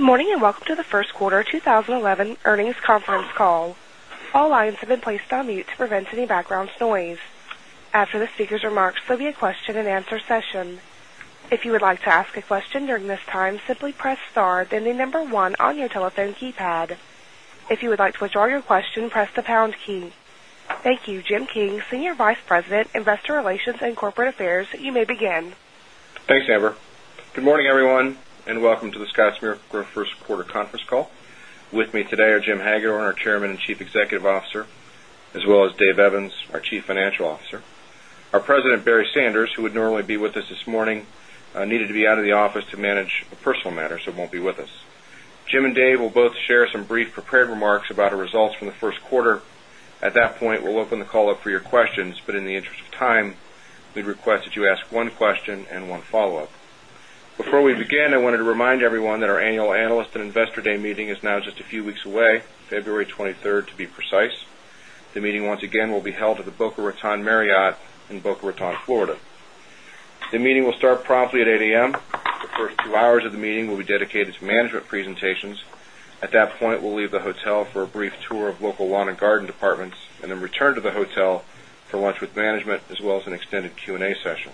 Morning, and welcome to the First Quarter 2011 Earnings Conference Call. All lines have been placed on mute to prevent any background noise. After the speakers' remarks, there will be a question and answer session. Thank you. Jim King, Senior Vice President, Investor Relations and Corporate Affairs, you may begin. Thanks, Amber. Good morning, everyone, and welcome to the Scottsmere Growth First Quarter Conference Call. With me today are Jim Hagedorn, our Chairman and Chief Executive Officer as well as Dave Evans, our Chief Financial Officer. Our President, Barry Sanders, who would normally be with us this morning needed to be out of the office to manage a personal matter, so won't be with us. Jim and Dave will both share some brief prepared remarks about our results from the Q1. At that point, we'll open the call up for your questions. But in the interest of we'd request that you ask one question and one follow-up. Before we begin, I wanted to remind everyone that our Annual Analyst and Investor Day meeting is now just a few weeks away, February 23rd to be precise. The meeting once again will be held at the Boca Raton Marriott in Boca Raton, Florida. The meeting will start promptly at 8 am. The first two hours of the meeting will be dedicated to management presentations. At that point, we'll leave the hotel for a brief tour of local lawn and garden departments and then return to the hotel for lunch with management as well as an extended Q and A session.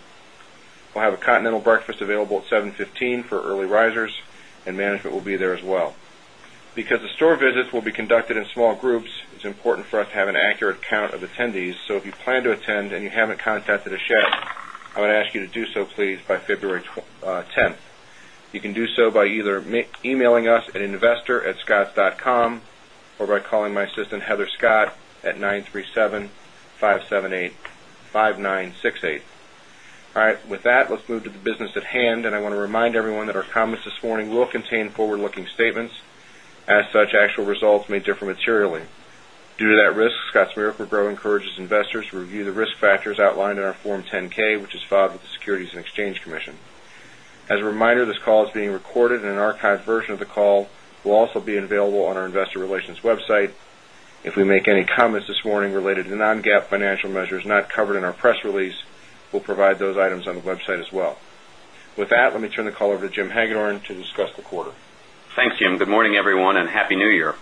We'll have a continental breakfast available at 7:15 for early risers and management will be there as well. Because the store visits will be conducted in small groups, it's important for us to have an accurate count of attendees. So if you plan to attend and you haven't contacted a share, I would ask you to do so please by February 10. You can do so by either us at investorscotts.com or by calling my assistant Heather Scott at 93757 85,968. All right. With that, let's move to the business at hand. And I want to remind everyone that our comments this morning will contain forward looking statements. As such, actual results may differ materially. Due to that risk, Scotts Miracle Gro encourages investors to review the factors outlined in our Form 10 ks, which is filed with the Securities and Exchange Commission. As a reminder, this call is being recorded and an archived version of the call will also be available on our Investor Relations website. If we make any comments this morning related to non GAAP financial measures not covered in our press release, we'll provide those items on the website as well. With that, let me turn the call over to Jim Hagedorn to discuss the quarter. Thanks, Jim. Good morning, everyone, and Happy New Year.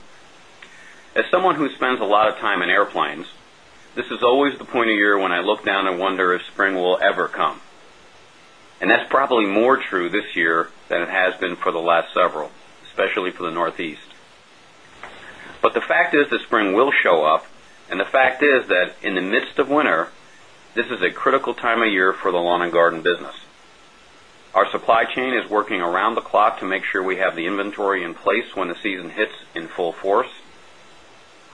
As someone who spends a lot of time in airplanes, this is always the point of the year when I look down and wonder if spring will ever come. And that's probably more true this year than it has been for the last several, especially for the Northeast. But the fact is that spring will show up and the fact is that in the midst of winter, this is a critical time of year for the lawn and garden business. Our supply chain is working around the clock to make sure we have the inventory in place when the season hits in full force.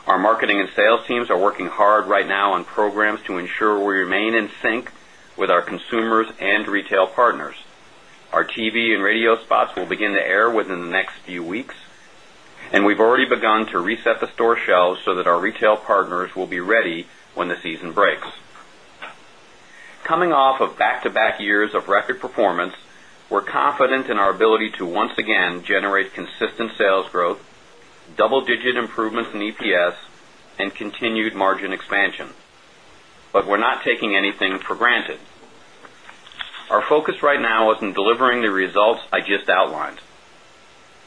Our marketing and sales teams are working hard right now on programs to ensure we remain in sync with our consumers and retail partners. Our TV and radio spots will begin to air within the next few weeks and we've already begun to reset the store shelves so that our retail partners will be ready when the season breaks. Coming off of back to back years of record performance, we're confident in our ability to once again generate consistent sales growth, double digit improvements in EPS and continued margin expansion. But we're not taking anything for granted. Our focus right now is in delivering the results I just outlined.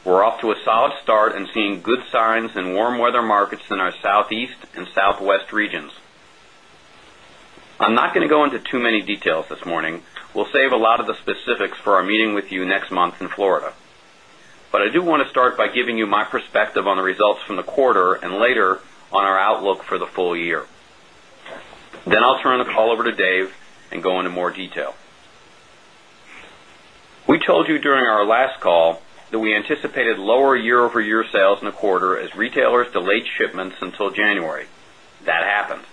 We're off to a solid start and seeing good signs in warm weather markets in our Southeast and Southwest regions. I'm not going to go into too many details this morning. We'll save a lot of the specifics for our meeting with you next month in Florida. But I do want to start by giving you my perspective on the results from the quarter and later on our outlook for the full year. Then I'll turn the call over to Dave and go into more detail. We told you during our last call that we anticipated lower year over year sales in the quarter as retailers delayed shipments until January. That happened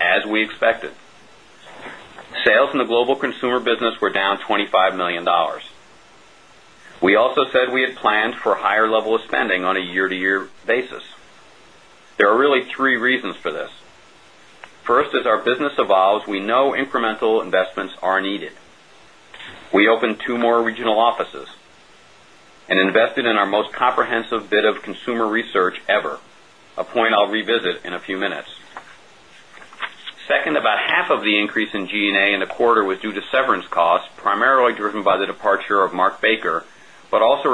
as we expected. Sales in the global consumer business were down $25,000,000 We also said we had planned for a higher level of spending on a year to year basis. There are really three reasons for this. First, as our business evolves, we know incremental investments are needed. We opened 2 more regional offices and invested in our most comprehensive bit of consumer research ever, a point I'll revisit in a few minutes. 2nd, about half of the increase in G and A in the quarter was due to severance costs, primarily driven by the departure of Mark Baker, but also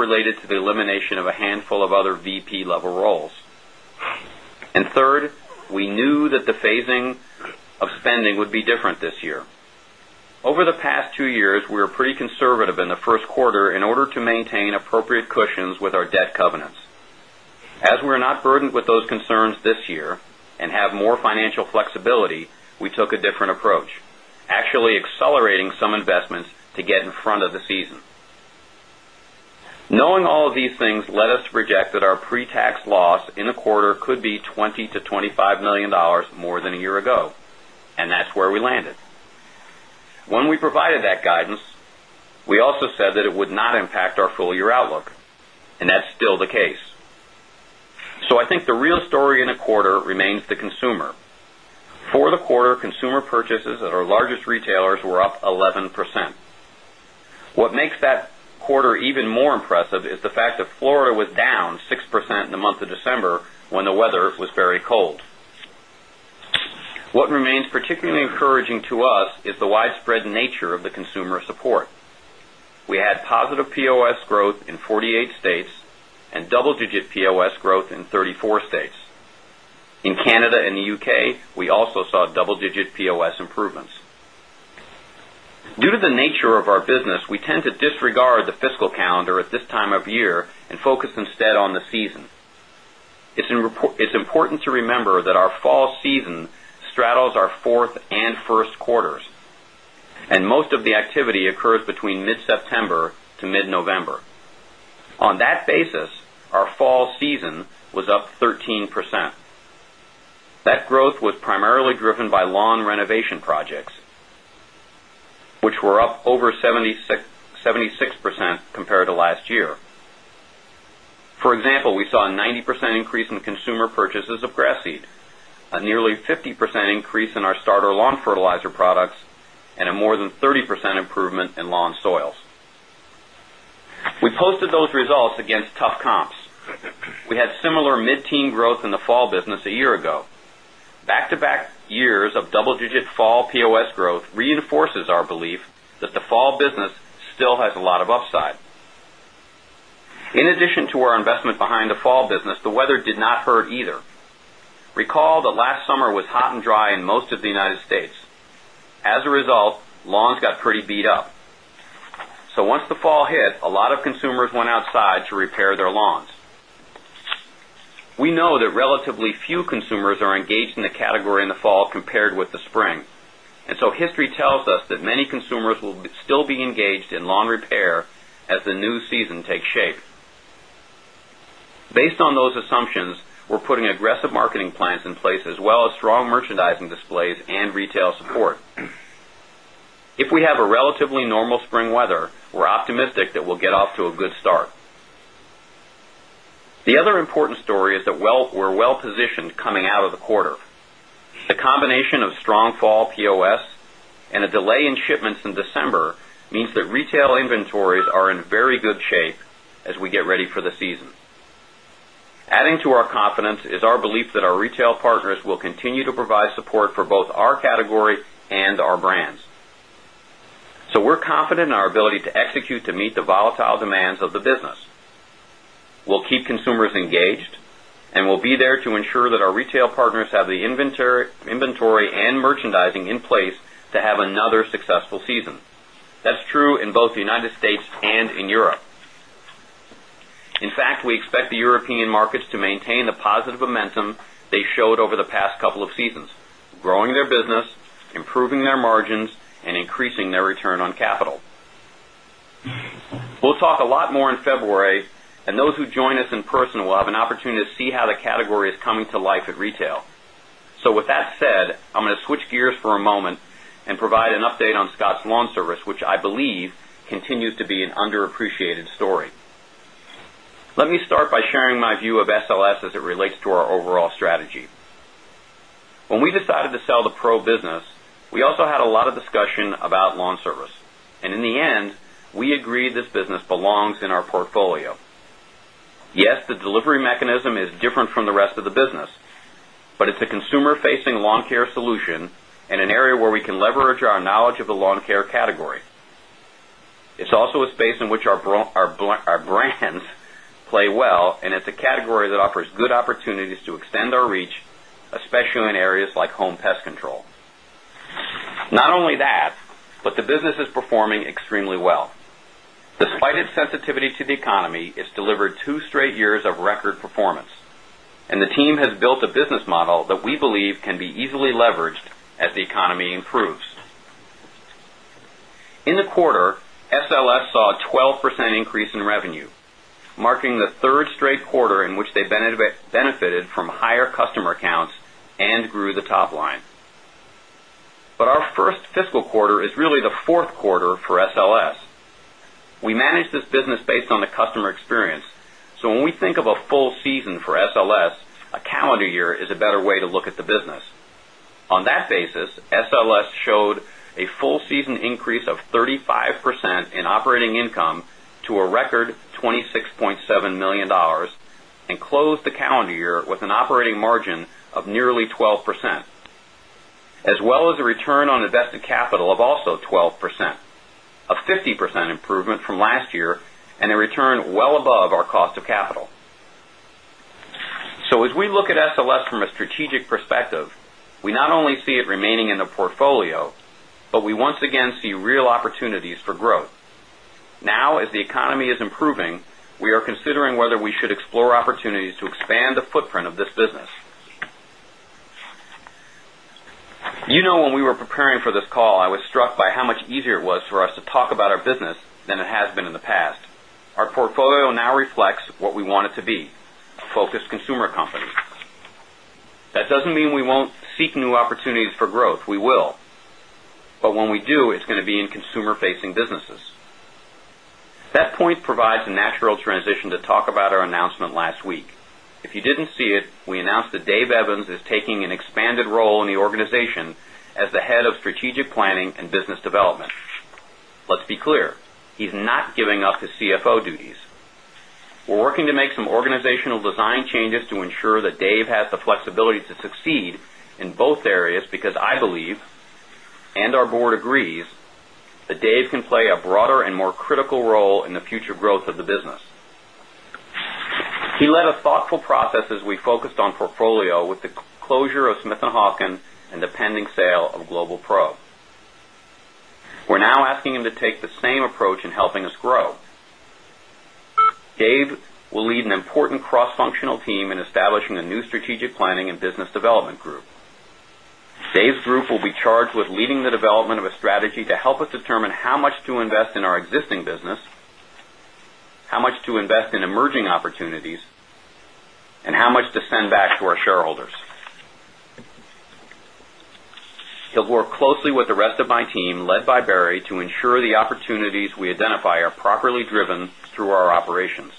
would be different this year. Over the past 2 years, we were pretty conservative in the Q1 in order to maintain appropriate cushions with our debt covenants. As we are not burdened with those concerns this year and have more financial flexibility, we took a different approach, actually accelerating some investments to get in front of the season. Knowing all of these things led us to project that our pre tax loss in the quarter could be $20,000,000 to $25,000,000 more than a year ago and that's where we landed. When we provided that guidance, we also said that it would not impact our full year outlook and that's still the case. So I think the real story in a quarter remains the consumer. For the quarter, consumer purchases at our largest retailers were up 11%. What makes that quarter even more impressive is the fact that Florida was down 6% in the month of December when the weather was very cold. What remains particularly encouraging to us is the widespread nature of the consumer support. We had positive POS growth in 48 states and double digit POS growth in 34 states. In Canada and the UK, we also saw double digit POS improvements. Due to the nature of our business, we tend to disregard the fiscal calendar at this time of year and focus instead on the season. It's important to remember that our fall season straddles our 4th and 1st quarters and most of the activity occurs between mid September to mid November. On that basis, our fall season was up 13%. That growth was primarily driven by lawn renovation projects, which were up over 76% compared to last year. For than 30% improvement in lawn soils. We posted those results against tough comps. We had similar mid teen growth in the fall business a year ago. Back to back years of double digit fall POS growth reinforces our belief that the fall business still has a lot upside. In addition to our investment behind the fall business, the weather did not hurt either. Recall that last summer was hot and dry in most of the United States. As a result, lawns got pretty beat up. So once the fall hit, a lot of consumers went outside to repair their lawns. We know that relatively few consumers are engaged in the category in the fall compared with the spring. And so history tells us that many consumers will still be engaged in lawn repair as the new season takes shape. Based on those assumptions, we're putting aggressive marketing plans in place as well as strong merchandising displays and retail support. If we have and retail support. If we have a relatively normal spring weather, we're optimistic that we'll get off to a good start. The other important story is that we're well positioned coming of the quarter. The combination of strong fall POS and a delay in shipments in December means that retail inventories are in very good shape as we get ready for the season. Adding to our confidence is our belief that our retail partners will continue to provide support for both our category and our brands. So we're confident in our ability to execute to meet the volatile demands of the business. We'll keep consumers engaged and we'll be there to ensure that our retail partners have the inventory and merchandising in place to have another successful season. That's true in both the United States and in Europe. In fact, we expect the European markets to maintain the positive momentum they showed over the past couple of seasons, growing their business, improving their margins and increasing their return on capital. We'll talk a lot more in February and those who join us in person will have an opportunity to see how the category is coming to life at retail. So with that said, I'm going to switch gears for a moment and provide an update on Scotts Lawn Service, which I believe continues to be an underappreciated story. Let me start by sharing my view of SLS as it relates to our overall strategy. When we decided to sell the Pro business, we also had a lot of discussion about lawn service. And in the end, we agreed this business belongs in our portfolio. Yes, the delivery mechanism is different from the rest of the business, but it's a consumer facing lawn care solution and an area where we can leverage our knowledge of the lawn care category. It's also a space in which our brands play well and it's a category that offers good opportunities to extend our reach, especially in areas like home pest control. Not only that, but the business is performing extremely well. Despite its sensitivity to the economy, it's delivered 2 straight years of record performance and the team has built a business model that we believe can be easily leveraged the the 3rd straight quarter in which they benefited from higher customer accounts and grew the top line. But our 1st fiscal quarter is really the Q4 for SLS. We manage this business based on the customer experience. So when we think of a full season for SLS, a calendar year is a better way to look at the business. On that basis, SLS showed a full season increase of 35% in operating income a record $26,700,000 and closed the calendar year with an operating margin of nearly 12%, as well as a return on invested capital of also 12%, a 50% improvement from last year and a return well above our cost of capital. So as we look at SLS from a strategic perspective, we not only see it remaining in the portfolio, but we once again see real opportunities for growth. Now as the economy is improving, we are considering whether we should explore opportunities to expand our business than it has been in the past. Our portfolio now reflects what we want it to be, focused consumer company. That doesn't mean we won't seek new new opportunities for growth, we will. But when we do, it's going to be in consumer facing businesses. That point provides a natural transition to talk about our announcement last week. If you didn't see it, we announced that Dave Evans is taking an expanded role in the organization as the Head of Strategic Planning and Business Development. Let's be clear, he's not giving up his CFO duties. We're working to make some organizational design changes to ensure that Dave has the flexibility to succeed in both areas because I believe and our Board agrees that Dave can play a broader and more critical role in the future growth of the business. He led a thoughtful process as we focused on portfolio with the closure of Smith and Hawken and the pending sale of Global Pro. We're now asking him to take the same approach in helping us grow. Dave will lead an important cross functional team in establishing a new strategic planning and business development group. Dave's group will be charged with leading the development of a strategy to help us determine how much to invest in our existing business, how much to invest in emerging opportunities and how much to send back to our shareholders. He'll work closely with the rest of my team led by Barry to ensure the opportunities we identify are properly driven through our operations.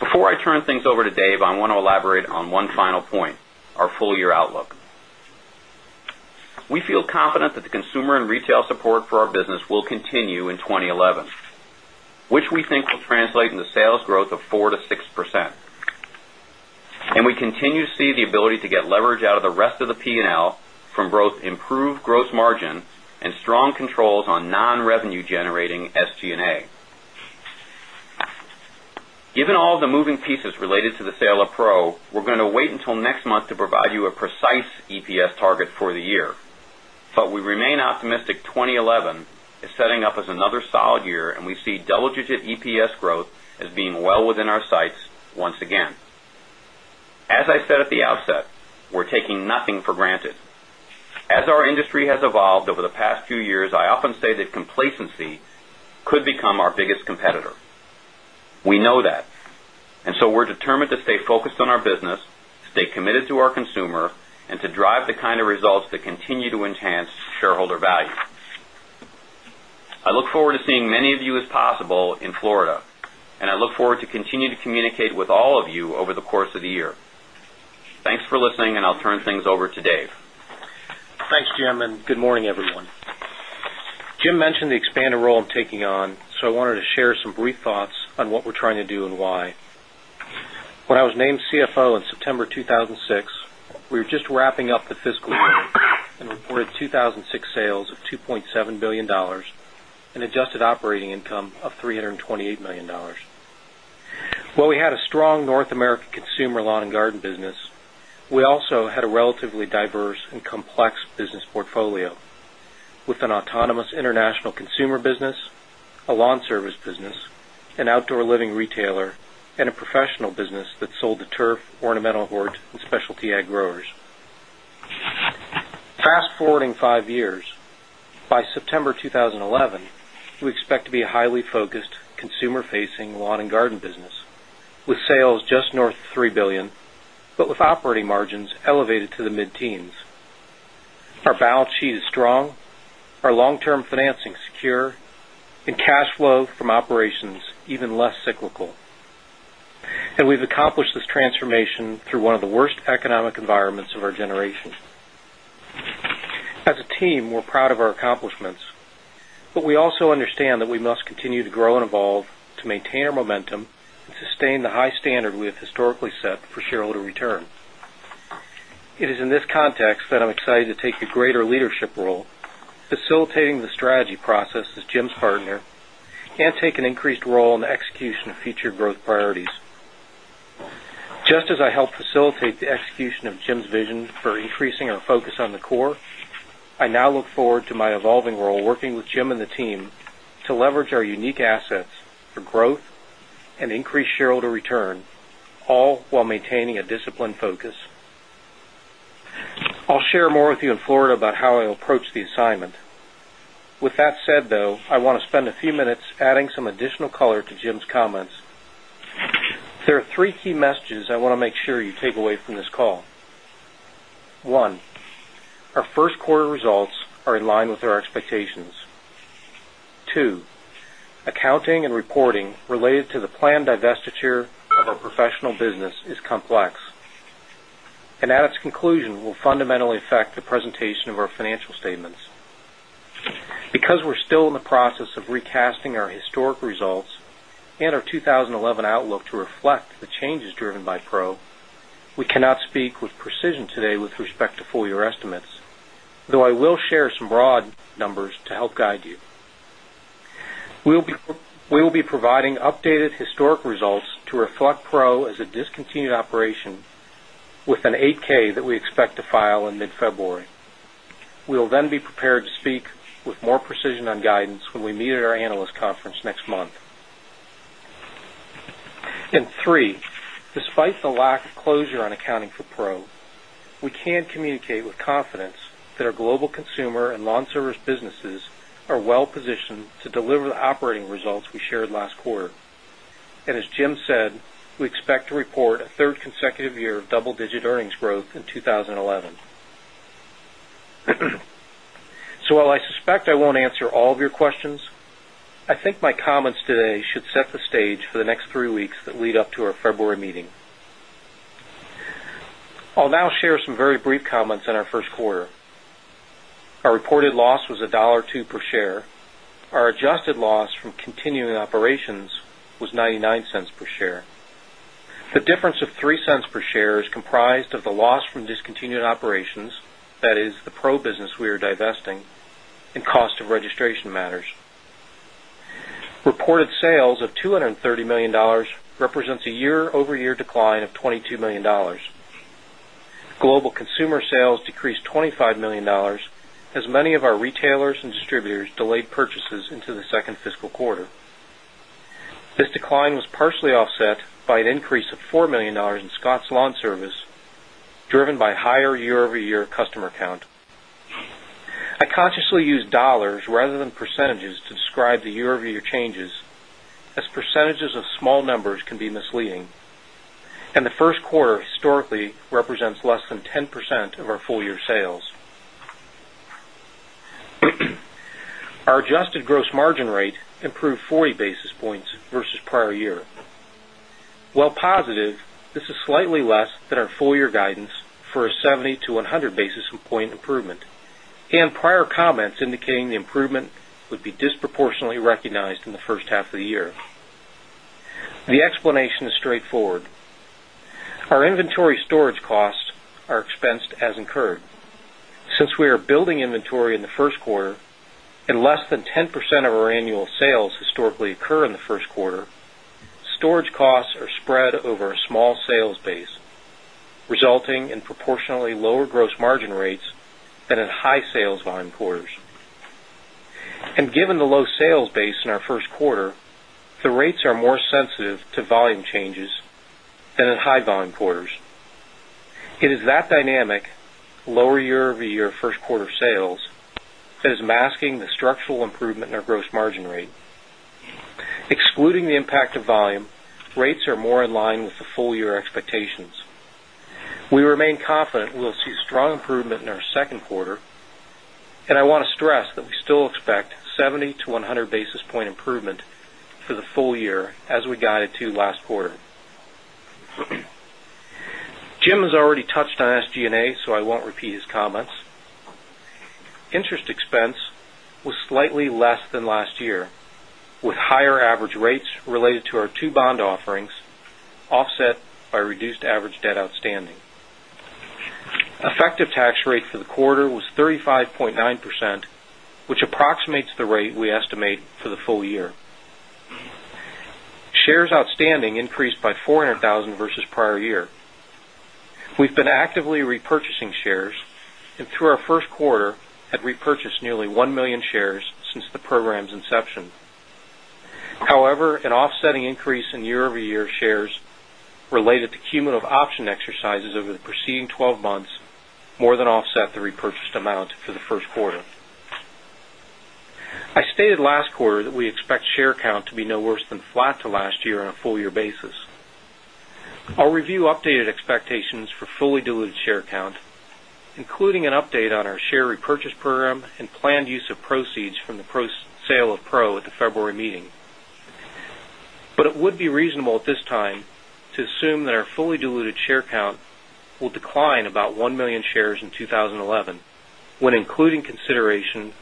Before I things over to Dave, I want to elaborate on one final point, our full year outlook. We feel confident that the consumer and retail support for our business will continue in 2011, which we think will translate into sales growth of 4% to 6%. And we continue to see the ability to get leverage out of the rest of the P and L from both improved gross margin and strong controls on non revenue generating SG and A. Given all the moving pieces related to the sale of Pro, we're going to wait until next month to provide you a precise EPS target for the year. But we remain optimistic 20 11 is setting up as another solid year and we see double digit EPS growth as being well evolved over the past few years, I often say that complacency could become our biggest competitor. We know that. And so we're determined to stay focused on our business, stay committed to our consumer and to drive the kind of results that continue to enhance shareholder value. I look forward to seeing many of you as possible in Florida and I look forward to continue to communicate with all of you over the course of the year. Thanks for listening and I'll turn things over to Dave. Thanks, Jim, and good morning, everyone. Jim mentioned the expanded role I'm taking on, so I wanted to share some brief thoughts on what we're trying to do and why. When I was named CFO in September 2000 and and 6, we were just wrapping up the fiscal year and reported 2,006 sales of $2,700,000,000 and adjusted operating income of $328,000,000 While we had a strong North American consumer lawn and garden business, we had a relatively diverse and complex business portfolio with an autonomous international consumer business, a lawn service business, an outdoor living retailer and a professional business that sold the turf, ornamental a highly focused consumer facing lawn and garden business with sales just north of $3,000,000,000 but with operating margins elevated to the mid teens. Our balance sheet is strong, our long term financing secure and cash flow from operations even less cyclical. And we've accomplished this transformation through one of the worst economic environments of our generation. As a team, we're proud of our accomplishments, but we also understand that we must continue to grow and evolve to maintain our momentum and sustain the high standard we have historically set for shareholder return. It is in this context that I'm excited to take a greater leadership role, facilitating the execution of future growth priorities. Just as I help facilitate the execution of Jim's vision for increasing our focus on the core, I now look forward to my evolving role working with Jim and the team to leverage unique assets for growth and increased shareholder return, all while maintaining a disciplined focus. I'll share more with you in Florida about how I'll approach the assignment. With that said though, I want to spend a few minutes adding some additional color to Jim's comments. There are 3 key messages I want to make sure you take away from this call. 1, our first quarter results are in line with our expectations. 2, accounting and reporting related to the planned divestiture of our professional business is complex and at its conclusion will fundamentally affect the presentation of our financial statements. Because we're still in the process of recasting our historic results and our 20 11 outlook to reflect the change is driven by PRO, we cannot speak with precision today with respect to full year estimates, though I will share some broad numbers to guide you. We will be providing updated historic results to Reflect Pro as a discontinued operation with an 8 ks that we expect to file in mid February. We will then be prepared to speak with more precision on guidance when we meet at our analyst conference next month. And 3, despite the lack of closure on accounting for Pro, we can communicate with confidence that our global consumer and lawn service businesses are well positioned to deliver the operating results we shared last quarter. And as Jim said, we expect to report a 3rd consecutive year of double digit earnings growth in 2011. So while I suspect I won't answer all of your questions, I think my comments today should set the stage for the next 3 weeks that lead up to our February dollars per share. Our adjusted loss from continuing operations was $0.99 per share. The difference of $0.03 per share is comprised of the loss from of $230,000,000 represents a year over year decline of $22,000,000 Global consumer sales decreased $25,000,000 as many of our retailers and distributors delayed purchases into the 2nd fiscal quarter. This decline was partially offset by an increase of $4,000,000 in Scotts Lawn Service, driven by higher year over year customer count. 1st quarter historically represents less than 10% of our full year sales. Our adjusted gross margin rate improved 40 basis points versus prior year. While positive, this is slightly less than our full year guidance for 70 to 100 basis point improvement and prior comments indicating the improvement would be disproportionately recognized in the first half of the year. The explanation is straightforward. Our inventory storage costs are expensed as incurred. Since we are building inventory in the Q1 and less than 10% of our annual sales historically occur in the Q1, storage are spread over a small sales base, resulting in proportionally lower gross margin rates than in high sales volume quarters. And given the low sales base in our first quarter, the rates are more sensitive to volume changes than in high volume quarters. It is that dynamic lower year over year Q1 sales that is masking structural improvement in our gross margin rate. Excluding the impact of volume, rates are more in line with the full year expectations. We remain confident we'll see strong improvement in our Q2 and I want to stress that we still expect 70 to 100 basis point improvement for the full year as we guided to last quarter. Jim has already touched on SG and A, so I won't repeat his comments. Interest expense was slightly less than last year with higher average rates related to our 2 bond offerings offset by reduced average debt outstanding. Effective tax rate for the quarter was 35.9 percent, which approximates the rate we estimate for the full year. Outstanding increased by 400,000 versus prior year. We've been actively repurchasing shares and through our Q1 had repurchased nearly 1,000,000 shares since the program's inception. However, an offsetting increase in year over year shares related to option exercises over the preceding 12 months more than offset the repurchased amount for the Q1. I stated last quarter that we expect share count to be no worse than flat to last year on a full year basis. I'll review updated expectations for fully diluted share count, including update on our share repurchase program and planned use of proceeds from the sale of PRO at the February meeting. But it would be reasonable at this time to assume that our fully diluted share count will decline about 1,000,000 shares in 2011, when including consideration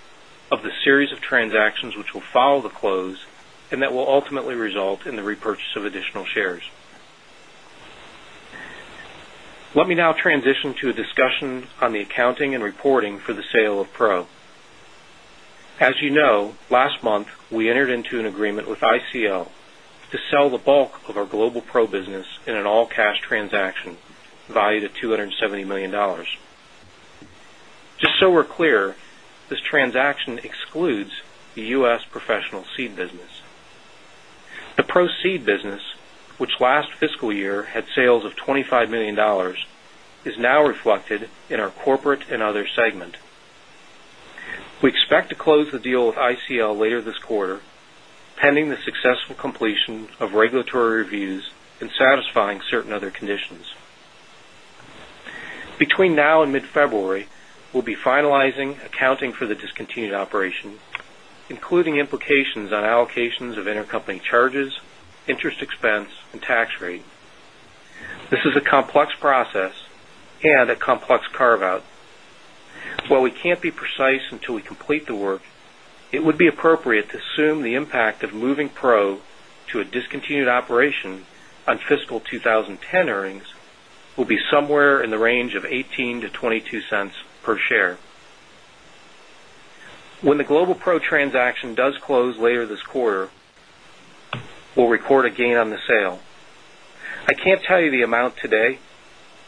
of the series of transactions which will follow the close and that will ultimately result in the repurchase of additional shares. Let me now transition to a discussion on the accounting and reporting for the sale of Pro. As you know, last month we entered into an agreement with ICL to sell the bulk of our global Pro business in an all cash transaction valued at $270,000,000 Just so we're clear, this transaction excludes the U. S. Professional seed business. The proceeds business, which last fiscal year had sales of $25,000,000 is now reflected in our corporate and other segment. We expect to close the deal with ICL later this quarter, pending the successful completion of regulatory reviews satisfying certain other conditions. Between now and mid February, we'll be finalizing accounting for the discontinued operation, including implications on allocations of intercompany charges, interest expense and tax rate. This a complex process and a complex carve out. While we can't be precise until we complete the work, it would be appropriate to assume the impact of moving Pro to a discontinued operation on fiscal 20 10 earnings will be somewhere in the range of 0 point dollars per share. When the Global Pro transaction does close later this quarter, we'll record a gain on the sale. I can't tell you the amount today.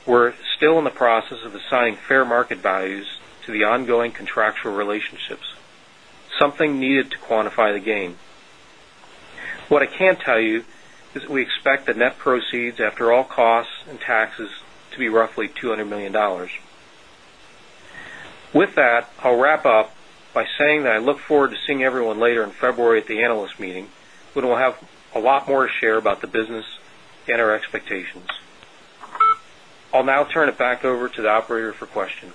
We're still in the process of assigning fair market values to the ongoing contractual the it back over to the operator for questions.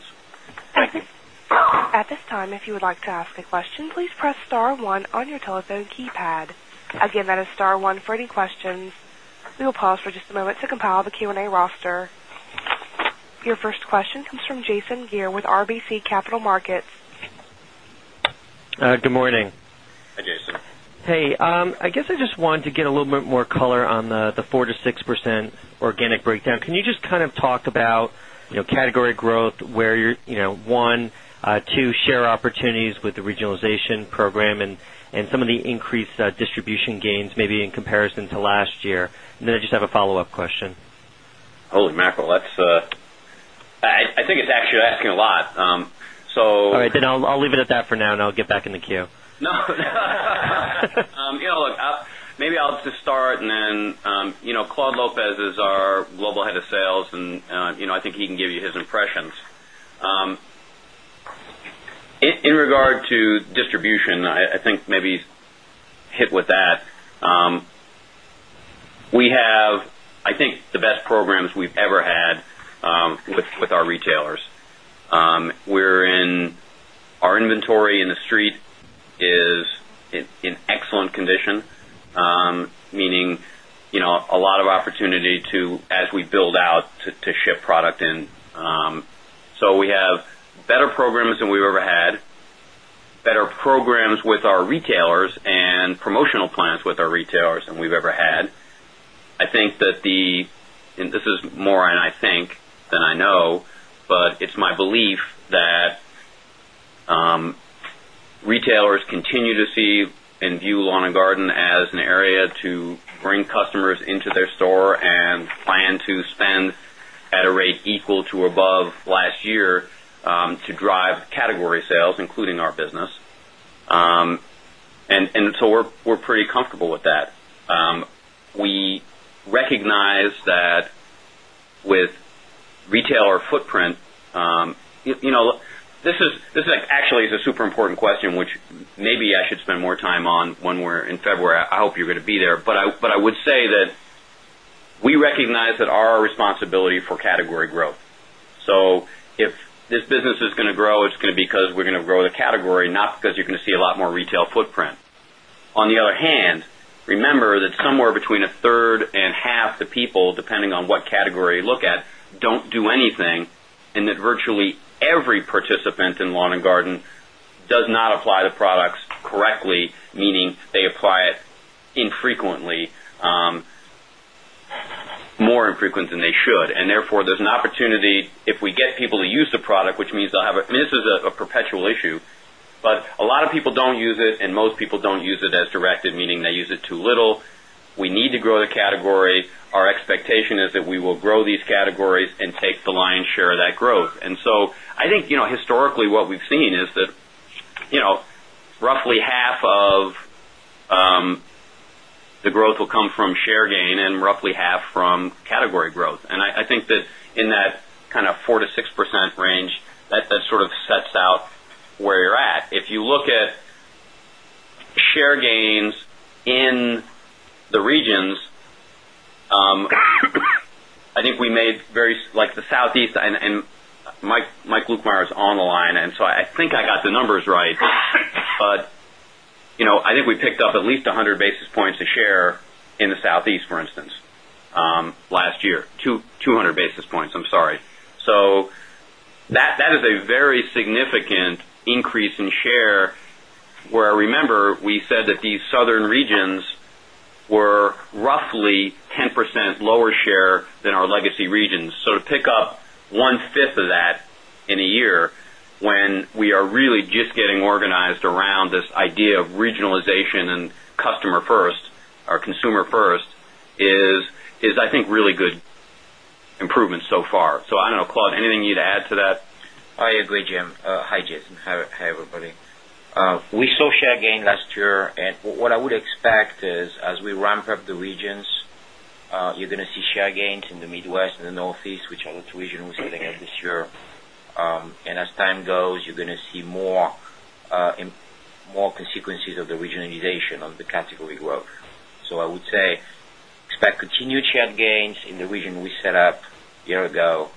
Your first question comes from Jason Geer with RBC Capital Markets. Good morning. Hi, Jason. Hey. I guess I just wanted to get a little bit more color on the 4% to 6% organic breakdown. Can you just kind of talk about category growth where you're 1, 2 share opportunities with the regionalization program and some of the increased distribution gains maybe in comparison to last year? And then I just have a follow-up question. Holy mackerel, that's I think it's actually asking a lot. So All right. Then I'll leave it at that for now and I'll get back in the queue. Maybe I'll just start and then Claude Lopez is our Global Head of Sales and I think he can give you his impressions. In regard to distribution, I think maybe hit with We have, I think the best programs we've ever had with our retailers. We're in our inventory in the street is in excellent condition, meaning a lot of opportunity to as we build out to ship product in. So we have better programs than we've ever had, better programs with our retailers and promotional plans with our retailers than we've ever had. I think that the and this is more than I think than I know, but it's my belief that retailers continue to see and view lawn and garden as an area to bring customers into their store and plan to spend at a rate equal to above last year to drive category sales, including our business. And so we're pretty comfortable with that. We recognize that. We recognize that with retailer footprint, this is actually is a super important question, which maybe I should spend more time on when we're in February. I hope you're going to be there. But I would say that we recognize that our responsibility for category growth. So if this business is going to grow, it's going to be because we're going to grow the category, not because you're going to see a lot more retail footprint. On the other hand, remember that somewhere between a third and half the people depending on what category look at don't do anything and that virtually every participant in lawn and garden does not apply the products correctly, meaning they apply it infrequently, more infrequent than they should. And therefore, there's an opportunity if we get people to use the product, which means they'll have a and this is a perpetual issue, but a lot of people don't use it and most people don't use it as directed, meaning they use it too little. We need to grow the we've seen is that roughly half of the growth will come from share gain and roughly half from category growth. And I think that in that kind of 4% to 6% range that sort of sets out where you're at. If you look at share gains in the regions, I think we made very like the Southeast and Mike Lukemeyer is on the line. And so I think I got the numbers right. But I think we picked up at least 100 basis points a share in the Southeast for instance, last year, 200 basis points, I'm sorry. So that is a very significant increase in share where I remember we said that these southern regions were roughly 10% lower share legacy regions. So to pick up 1 5th of that in a year when we are really just getting organized around this idea of regionalization and customer first or consumer first is I think really good improvement so far. So I don't know Claude, anything you'd add to that? I agree, Jim. Hi, Jason. Hi, everybody. We saw share gain last year. And what I would expect is as we ramp up the regions, you're going to see share gains in the Midwest and the Northeast, which are the 2 regions we're seeing this year. And as time goes, you're going to see more consequences of the regionalization of the category growth. So I would say expect continued share gains in the region we set up a year ago,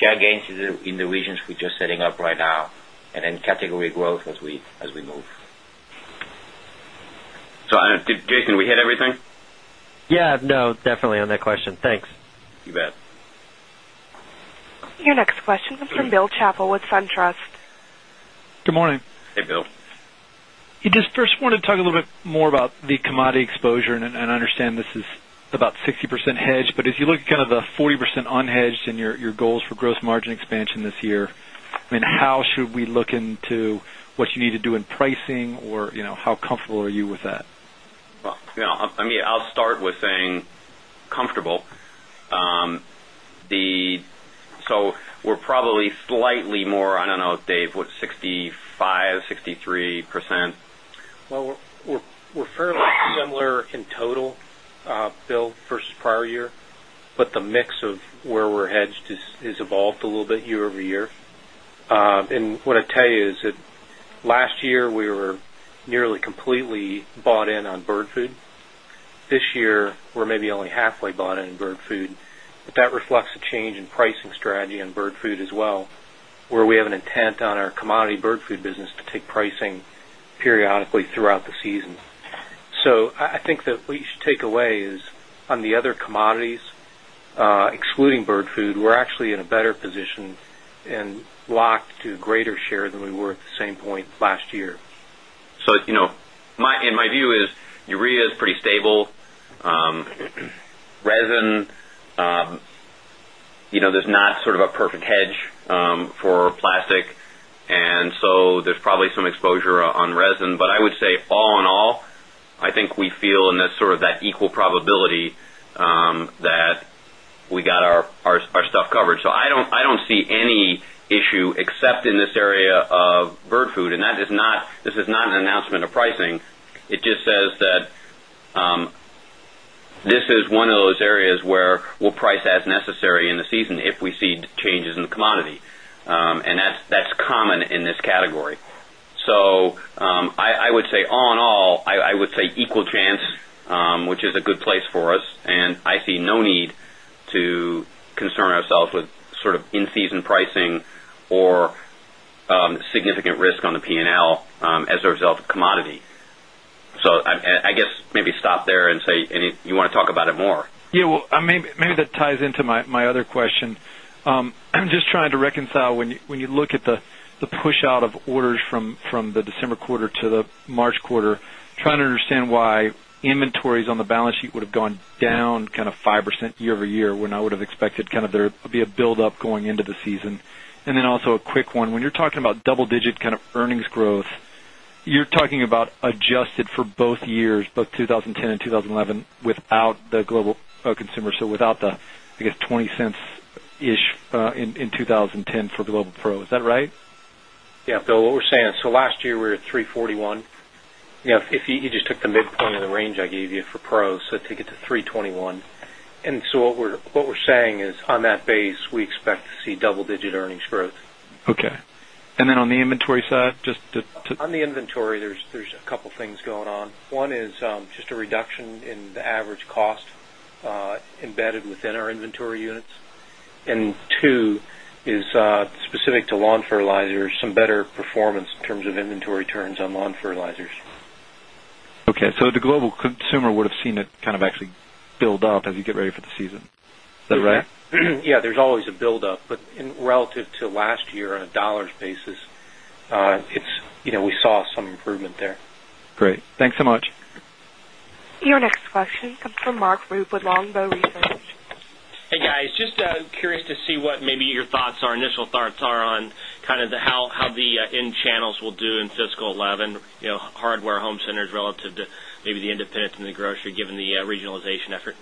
share gains in the regions we're just setting up right now and then category growth as we move. So, Jason, we hit everything? Yes. No, definitely on that question. Thanks. You bet. Your next question comes from Bill Chappell with SunTrust. Good morning. Hey, Bill. Just first wanted to talk a little bit more about the commodity exposure and I understand this is about 60% hedged, but if you look at kind of the 40% unhedged and your goals for gross margin expansion this year, I mean, how should we look into what you need to do in pricing or how comfortable are you with that? I mean, I'll start with saying comfortable. So we're probably slightly more, I don't know Dave what 65%, 63%. Well, we're fairly similar in total, Bill versus prior year, but the mix of where we're hedged has evolved a little bit year over year. And what I tell you is that last year we were nearly completely bought in on bird food. This year we're maybe only halfway bought in bird food, but that reflects a change in bird food as well, where we have an intent on our commodity bird food business to take pricing periodically throughout the season. So, I think that we should take away is on the other commodities, excluding bird food, we're actually in a better position and locked to greater share than we were at the same point last year. So, in my view is urea is pretty stable, Resin, there's not sort of a perfect hedge for plastic. And so there's probably some exposure on resin. But I would say all in all, I think we feel in this sort of that equal probability that we got our stuff covered. So I don't see any issue except in this area of bird food and that is not this is not an announcement of pricing. It just says that this is one of those areas where we'll price as necessary in the season if we see changes in the commodity. And that's common in this category. So I would say all in all, I would say equal chance, which is a good place for us and I see no need to concern ourselves with sort of significant risk on the P and L as a result of commodity. So I guess maybe stop there and say you want to talk about it more. Yes. Maybe that ties into my other question. I'm just trying to reconcile when you look at the push out of orders from the December quarter to the March quarter, trying to understand why inventories on the balance sheet would have gone down kind of 5% year over year when I would have expected kind of there will be a buildup going into the season? And then also a quick one, when you're talking about double digit kind of earnings growth, you're talking about adjusted for both years, both 2010 2011 without the global consumer, so without the I guess $0.20 ish in 2010 for Global Pro, is that right? Yes, Bill, what we're saying, so last year we were at 3.41. If you just took the midpoint of the range I gave you for Pro, so take it to 321. And so what we're saying is on that base, we expect to see double digit earnings growth. Okay. And then on the inventory side, just to On the inventory, there's a couple of things going on. One is just a reduction in the average cost embedded within our inventory units. And 2 is specific to lawn fertilizers, some better performance in terms of inventory turns on lawn fertilizers. Okay. So the global consumer would have seen it kind of actually build up as you get ready for the season, is that right? Yes, there's always a buildup, but relative to last year on a dollar basis, we saw some improvement there. Great. Thanks so much. Your next question comes from Mark Root with Longbow Research. Hey, guys. Just curious to see what maybe your thoughts or initial thoughts are on kind of how the end channels will do in fiscal 'eleven hardware home centers relative to maybe the independents in the grocery given the regionalization effort?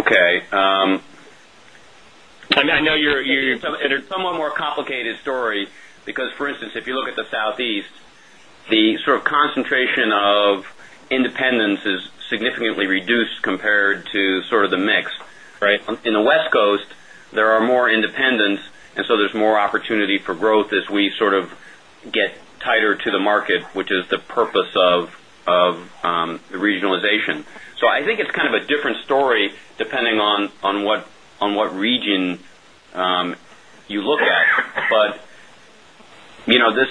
Okay. I mean, I know you're It is somewhat more complicated story because for instance, if you look at the Southeast, the sort of concentration of independents is significantly reduced compared to sort of the mix, right? In the West Coast, there are independents and so there's more opportunity for growth as we sort of get tighter to the market, which is the purpose of regionalization. So I think it's kind of a different story depending on what region you look at. But this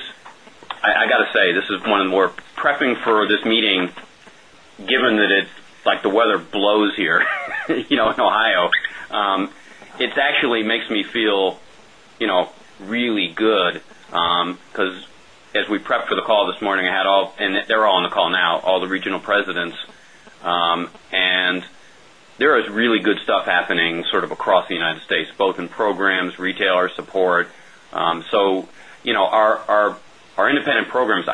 I got to say, this is one of the more prepping for this meeting given that it's like the weather blows here in Ohio, it actually makes me feel really good because as we prepped for the call this morning, I had all and they're all on the call now, all the regional presidents. And there is really good stuff happening sort of across the United States, both in programs, retailer support. So our independent programs,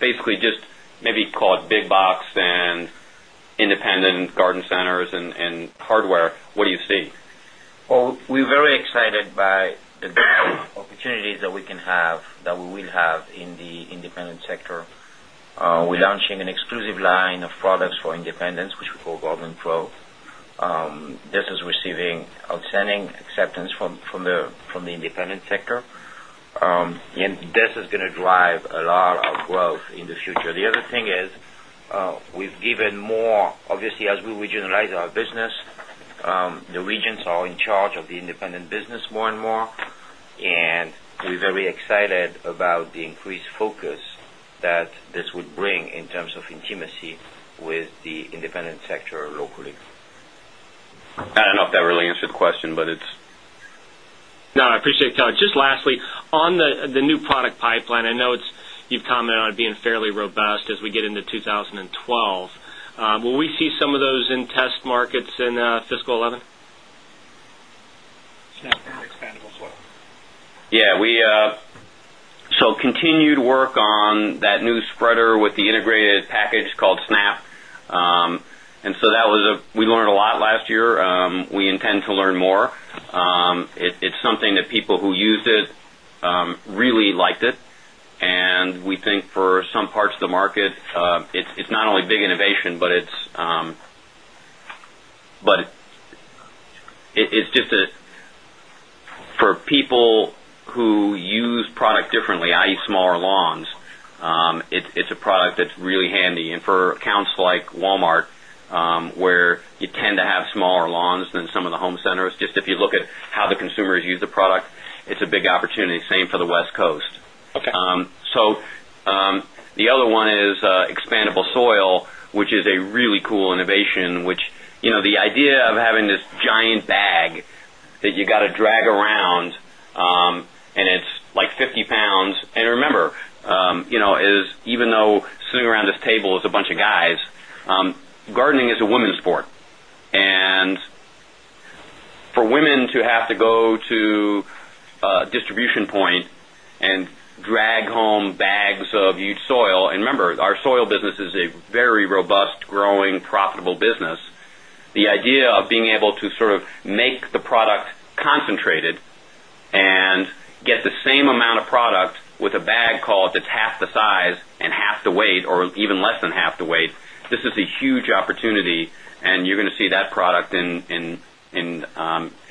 basically just maybe call it big box and independent garden centers and hardware, what do you see? Well, we're very excited by the opportunities that we can have, that we will have in the independent sector. We're launching an exclusive line of products for independents, which we call Golden Pro. This is receiving outstanding acceptance from the independent sector. And this is going to drive a lot of growth in the future. The other thing is we've given more obviously, as we generalize our business, the regions are in charge of the independent business more and more. And we're very excited about the increased focus that this would bring in terms of intimacy with the independent sector locally. I don't know if that really answered the question, but it's No, I appreciate the color. Just lastly, on the new product pipeline, I know it's you've commented on being fairly robust as we into 2012. Will we see some of those in test markets in fiscal 'eleven? Yes, we so continued work on that new spreader with the integrated package called Snap. And so that was a we learned a lot last year. We intend to learn more. It's something that people who used it really liked it. And we think for some parts of the market, it's not only big innovation, but it's just for people who use product differently, I. E. Smaller lawns, it's a product that's really handy. And for accounts like Walmart, where you tend to have smaller lawns than some of the home centers. Just if you look at how the consumers use the product, it's a big opportunity, same for the West Coast. Okay. So the other one is expandable soil, which is a really cool innovation, which the idea of having this giant bag that you got to drag around and it's like £50 and remember, even though sitting around this table is a bunch of guys, gardening is a women's sport. And for women to have to go to distribution point and drag home bags of huge soil and remember our soil business is a very robust growing profitable business. The idea of being able to sort of make the product concentrated and get the same amount of product with a bag called that's half the size and half the weight or even less than half the weight. This is a huge opportunity and you're going to see that product in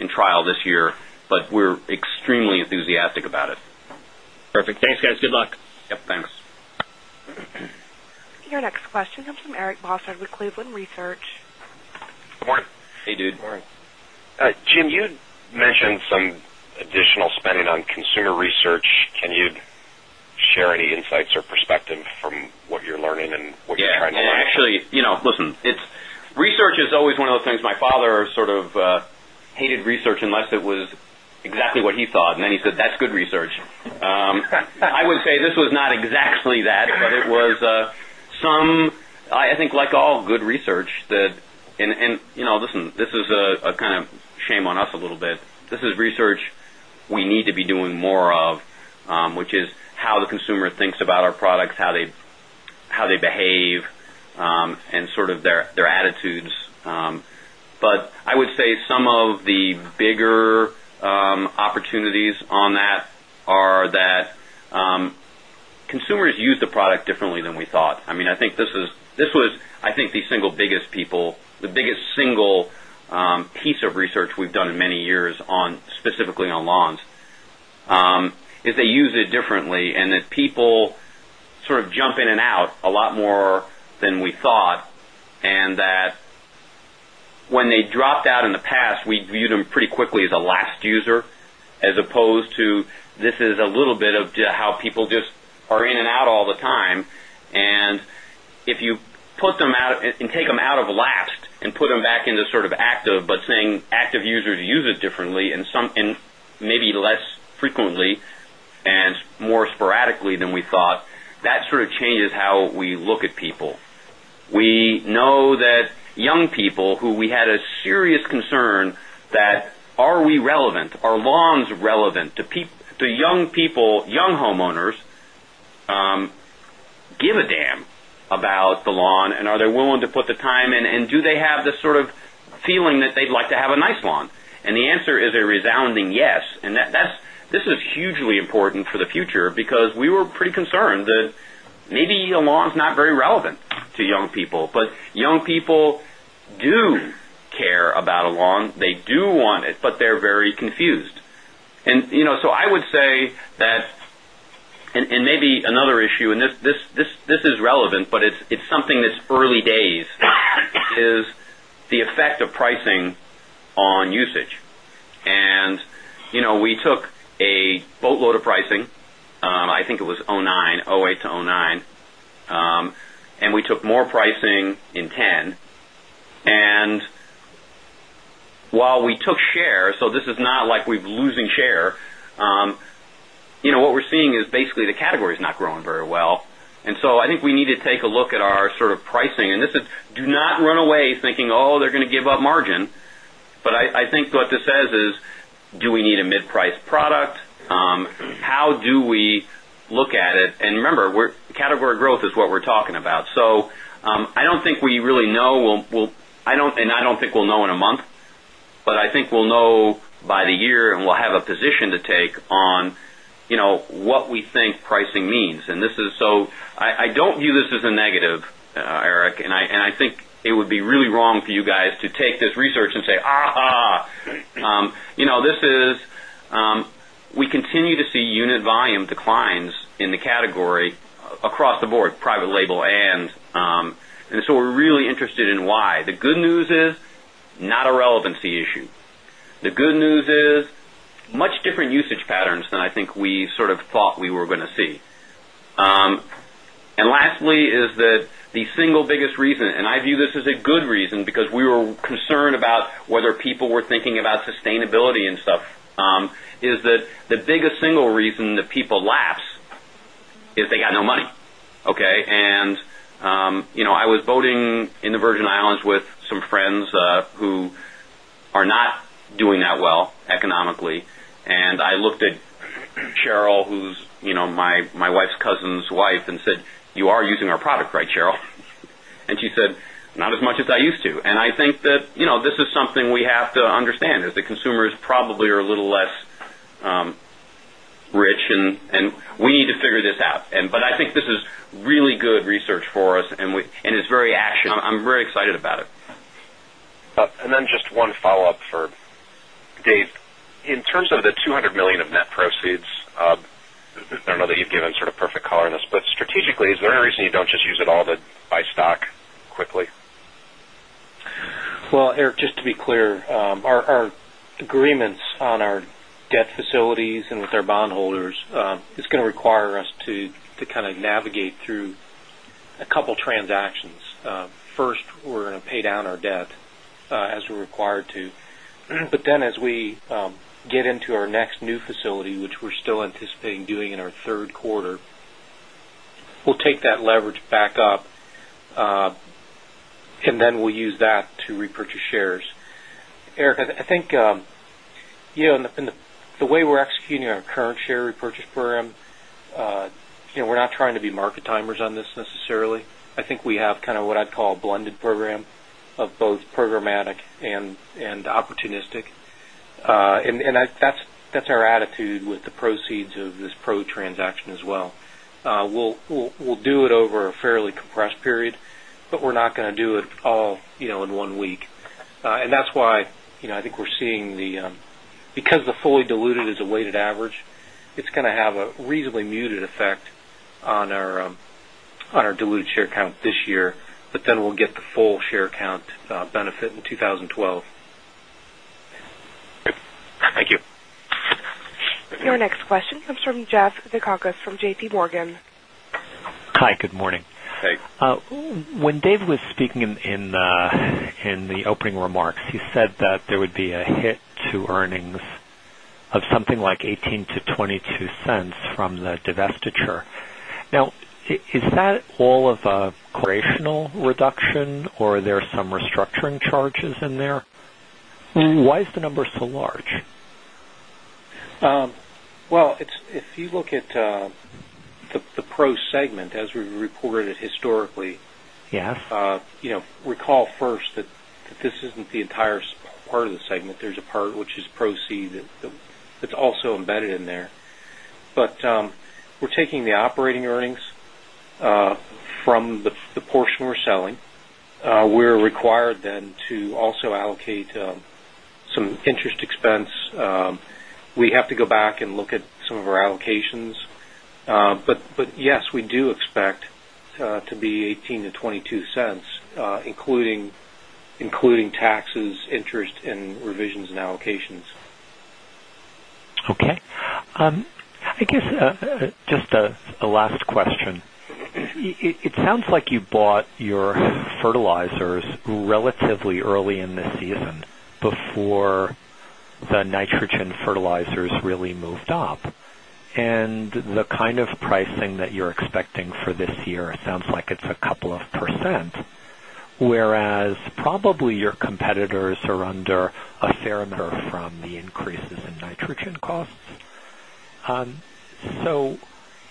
trial this year, but we're extremely enthusiastic about it. Perfect. Thanks guys. Good luck. Yes, thanks. Your next question comes from Eric Bossard with Cleveland Research. Good morning. Hey, dude. Good morning. Jim, you mentioned some is always one of those things my father sort of hated research unless it was exactly what he thought. And then he said, that's good research. I would say this was not a kind of shame on us a little bit. This is a kind of shame on us a little bit. This is research we need to be doing more of, which is how the consumer thinks about our products, how they behave and sort of their attitudes. But I would say some of the bigger opportunities on that are that consumers use the product differently than we thought. I mean, I think this was, I think the single biggest people, the biggest single piece of research we've done in many years on specifically on lawns is they use it differently and that people sort of jump in and out a lot more than we thought and that when they dropped out in the past, we viewed them pretty quickly as a last user as opposed to this is a little bit of how people just are in and out all the time. And if you put them out and take them out of lapsed and put them back into sort of active, but saying active users use it differently and some and maybe less frequently and more sporadically than we thought, that sort of changes how we look at people. We know that young people who we had a serious concern that are we relevant, are lawns relevant to young people, young homeowners give a damn about the lawn and are they willing to put the time in and do they have the sort of feeling that they'd like to have a nice lawn. And the answer is a is that and maybe another issue and this is relevant, but it's something that's early days is the effect of pricing on usage. And we took a boatload of pricing. I think it was 'nine, 'eight to 'nine and we took more pricing in 'ten. Is not growing very well. And so I think we need to take a look at our sort of pricing and this is do not run away thinking, oh, they're going to give up margin. But I think what this says is, do we need a mid priced product? How do we look at it? And remember, category growth is what we're talking about. So I don't think we really know and I don't think we'll know in a month, but I think we'll know by the year and we'll have a position to take on what we think pricing means. And this is so I don't view this as a negative, Eric, and I think it would be really wrong for you guys to take this research and say, this is we continue to see unit volume declines in the category across the board, private label and so we're really interested in why. The good news is not a I was voting I was voting in the Virgin Islands with some friends who are not doing that well economically. And I looked at Sheryl, who's my wife's cousin's wife and said, you are using our product, right, Sheryl? And she said, not as much as I used to. And I think that this is something we have to understand is the consumers probably are a little less rich and we need to figure this out. But I think this is really good research for us and it's very actionable. I'm very excited about it. And then just one follow-up for Dave, in terms of the $200,000,000 of net proceeds, I don't know that you've given sort of perfect color on this, but strategically is there any reason you don't just use it all to buy stock quickly? Well, Eric, just to be clear, our agreements on our debt facilities going to pay down our debt as we're required to. But then as we get into our next new facility, which we're still anticipating Eric, I think the way we're executing our current share repurchase program, we're not trying to be market timers on this necessarily. I think we have kind of what I'd call blended program of both programmatic and opportunistic. And that's our attitude with the proceeds of this Pro transaction as well. We'll do it over a fairly compressed period, but we're not going to do it all in 1 week. And that's why I think we're seeing the because the fully diluted is a weighted average, it's going to have a reasonably muted effect on our diluted share count this year, but then we'll get the full share count benefit in 2012. Thank you. Your next question comes from Jeff Zekauskas from JPMorgan. Hi, good morning. Hi. When Dave was speaking in the opening remarks, he said that there would be a hit to earnings of something $0.18 to $0.22 from the divestiture. Now is that all of a creational reduction or are there some restructuring charges in there? Why is the number so large? Well, if you look at the Pro segment as we reported it historically, recall first that this isn't the entire part of the segment, there's a part which is proceeds that's also embedded in there. But we're taking the operating earnings from the portion we're selling. We're required then to also allocate some interest expense. We have to go back and look at some of our allocations. But yes, we do expect to be $0.18 to $0.22 including taxes, interest and revisions and allocations. Okay. I guess just a last question. It sounds like you bought your fertilizers relatively early in the season before the nitrogen fertilizers really moved up. And the kind of pricing that you're expecting for this year sounds like it's a couple of percent, whereas probably your competitors are under a fair amount from the increases in nitrogen costs. So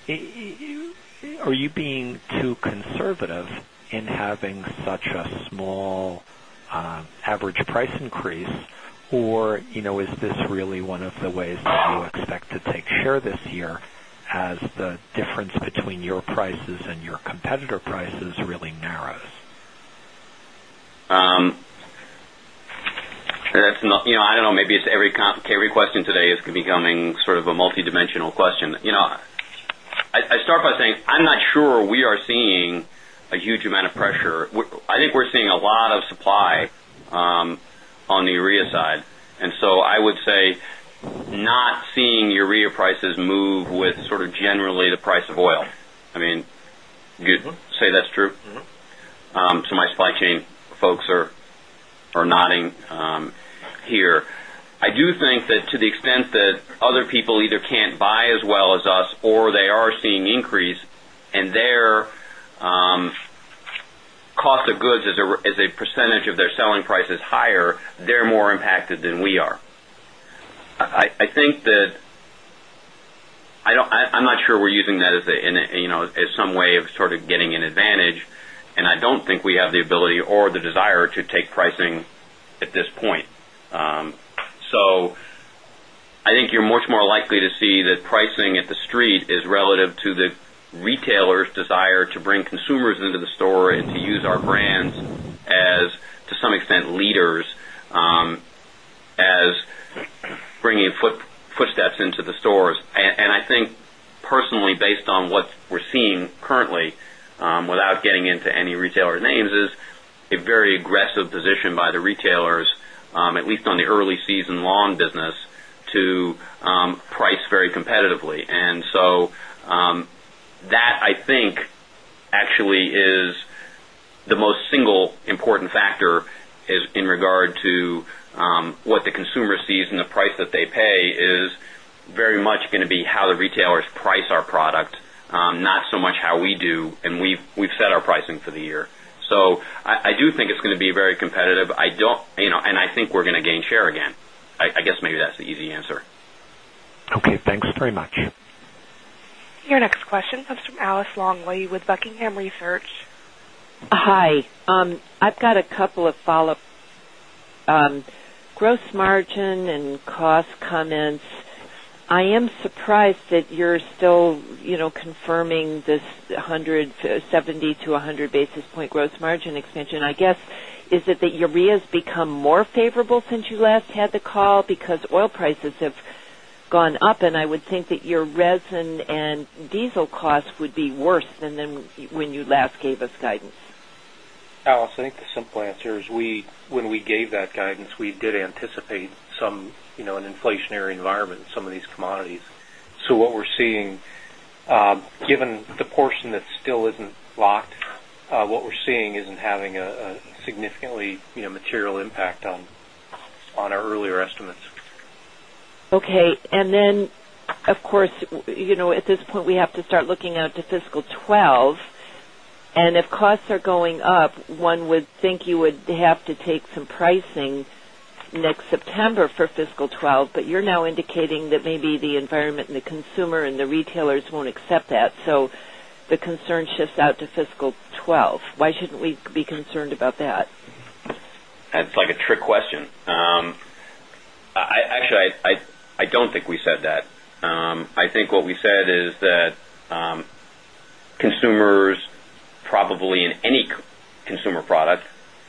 are you being too conservative in having such a small average price increase? Or is this really one of the ways that you expect to take share this year as the difference between your prices and your competitor prices really narrows? I don't know, maybe it's every Carey question today is becoming sort of a multidimensional question. I start by saying, I'm not sure we are seeing a huge amount of pressure. I think we're seeing a lot of supply on the urea side. And so I would say not seeing urea prices move with sort of generally the price of oil. I mean, you'd say that's true. So my supply chain folks are nodding here. I do think that to the extent that other people either can't buy as well as us or they are seeing increase and their cost of goods as a percentage of their selling price is higher, some way of sort of getting an advantage. And I don't think we have the ability or the desire to take pricing at this point. So I think you're much more likely to see that pricing at the street is relative to the retailer's desire to bring consumers into the store and to use our brands as to some extent leaders as bringing footsteps into the stores. And I think personally based on what we're seeing currently without getting into any retailer names is a very aggressive position by the retailers, at least on the early season lawn business to price very competitively. And so that I think actually is the most single important factor is in regard to what the consumer sees and the price that they pay is very much going to be how the retailers price our product, not so much how we do and we've set our pricing for the year. So I do think it's going to be very competitive. I don't and I think we're going to gain share again. I guess maybe that's the easy answer. Okay. Thanks very much. Your next question comes from Alice Longley with Buckingham Research. Hi. I've got a couple of follow-up. Gross margin and cost comments, I am surprised that you're still confirming this 170 to 100 basis point gross margin expansion. I guess, is it that urea has become more favorable since you last had the call because oil prices have gone up and I would think that your resin and diesel costs would be worse than when you last gave us guidance? Alice, I think the simple answer is when we gave that guidance, we did anticipate some an inflationary environment in some of these commodities. So what we're seeing given the portion that still isn't locked, what we're seeing isn't having a significantly material impact on our earlier estimates. Okay. And then, of course, at this point, we have to start looking out to fiscal 2012. And if costs are going up, one would think you would have to take some pricing next September for fiscal 2012, but you're now indicating that maybe the environment and the consumer and the retailers won't accept that. So the concern shifts out to fiscal 2012. Why shouldn't we be concerned about that? It's like a trick question. Actually, I don't think we said that. I think what we said is that consumers probably in any consumer product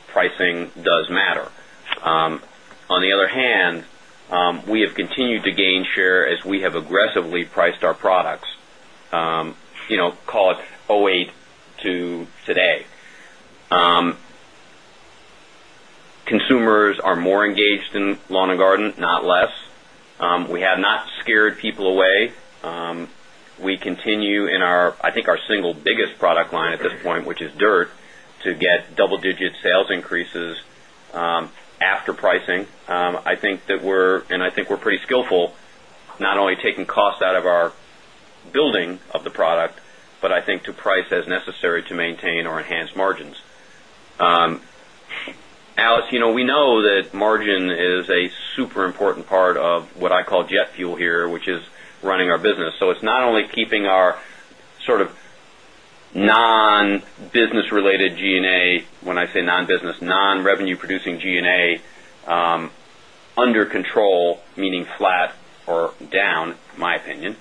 pricing does On the other hand, we have continued to gain share as we have aggressively priced our products, call it 'eight to today. Consumers are more engaged in lawn and garden, not less. We have not scared people away. We continue in our I think our single biggest product line at this point, which is dirt to get double digit sales increases after pricing. I think that we're and I think we're pretty skillful, not only taking costs out of our building of the product, but I think to price as necessary to maintain or enhance margins. Alice, we know that margin is a super important part of what I call jet fuel here, which is running our business. So it's not only keeping our sort of non business related G and A, when I say non business, non revenue producing G and A under control, meaning flat or down, in my opinion.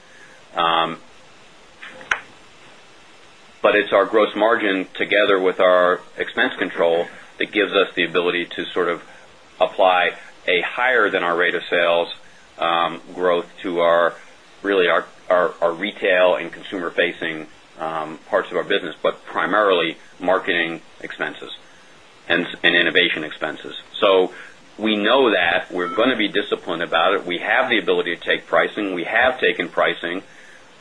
But it's our gross margin together with our expense control that gives us the ability to sort of apply a higher than our rate of sales growth to our really our retail and consumer facing parts of our business, but primarily marketing expenses innovation expenses. So we know that we're going to be disciplined about it. We have the ability to take pricing. We have taken pricing.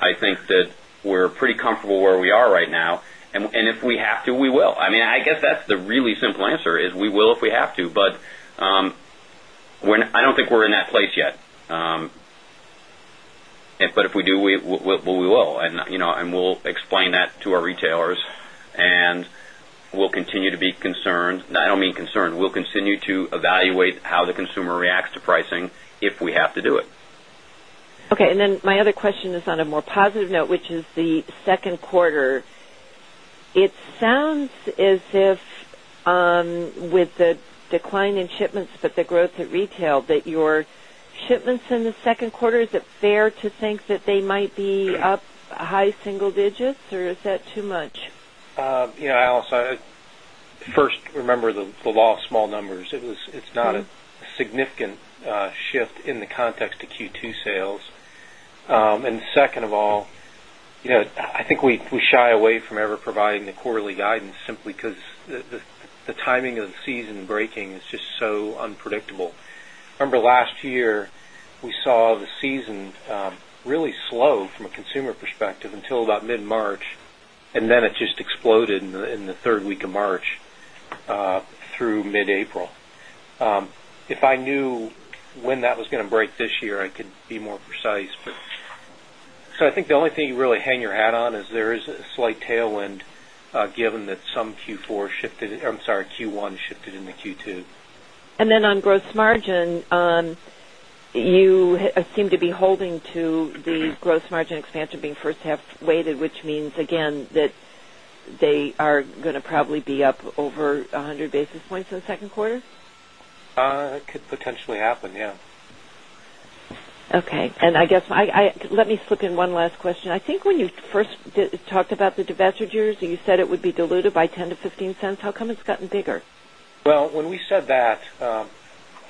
I think that we're pretty comfortable where we are right now. And if we have to, we will. I mean, I guess that's the really simple answer is we will if we have to. But I don't think we're in that place yet. But if we do, we will and we'll explain that to our retailers and we'll continue to be concerned and I don't mean concerned, we'll continue to evaluate how the consumer reacts to pricing if we to do it. Okay. And then my other question is on a more positive note, which is the Q2. It sounds as if with the decline in shipments but the growth at retail that your shipments in the remember the law of small numbers. It's not a significant shift in the context of Q2 sales. And second of all, I think we shy away from ever providing the quarterly guidance simply because the timing the season breaking is just so unpredictable. Remember last year, we saw the season really slow from a consumer perspective until about mid March, and then it just exploded in the 3rd week of March through mid April. If I knew when that was going to break this year, I could be more precise. So I think the only thing you really hang your hat on is there is a slight tailwind given that some Q4 shifted I'm sorry, Q1 shifted into Q2. And then on gross margin, you seem to be holding to the gross margin expansion being first half weighted, which means again that they are going to probably be up over 100 basis points in the 2nd quarter? It could potentially happen, yes. Okay. And I guess, let me slip in one last question. I think when you first talked about the divestitures, you said it would be dilutive by $0.10 to $0.15 How come it's gotten bigger? Well, when said that,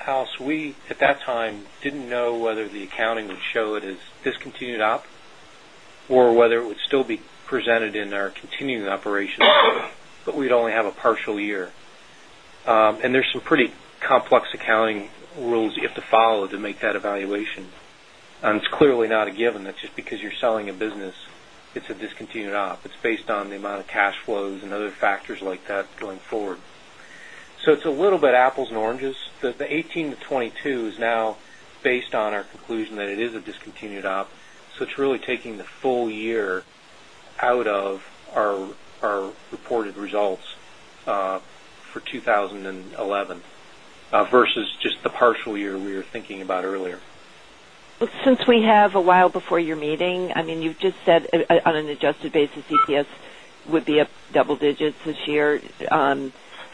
House, we at that time didn't know whether the accounting would show it as discontinued op or whether it would still be presented in our continuing operations, but we'd only have a partial year. And there's some pretty complex accounting rules you have to follow to make that evaluation. And it's clearly not a given that's just because you're selling a business, it's a discontinued op, it's based on the amount of cash flows and other factors like that going forward. So it's a little bit apples and oranges. The 18% to 22% is now based on our conclusion that it is a discontinued op. So it's really taking the full year out of our reported results for 2011 versus just the partial year we were thinking about earlier. Since we have a while before your meeting, you've just said on an adjusted basis, EPS would be up double digits this year.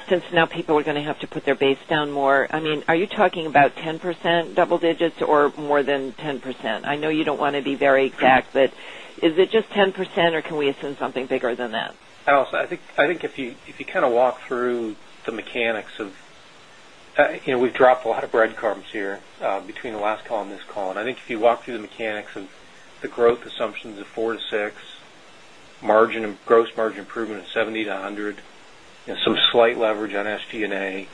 Since now people are going to have to put their base down more. I mean, are you talking about 10% double digits or more than 10%? I know you don't want to be very exact, but is it just 10% or can we assume something bigger than that? Allison, I think if you kind of walk through the mechanics of we've dropped a lot of breadcrumbs here between the last call and this call. And I if you walk through the mechanics of the growth assumptions of 4% to 6%, margin gross margin improvement of 70% to 100%, some slight leverage on SG and A.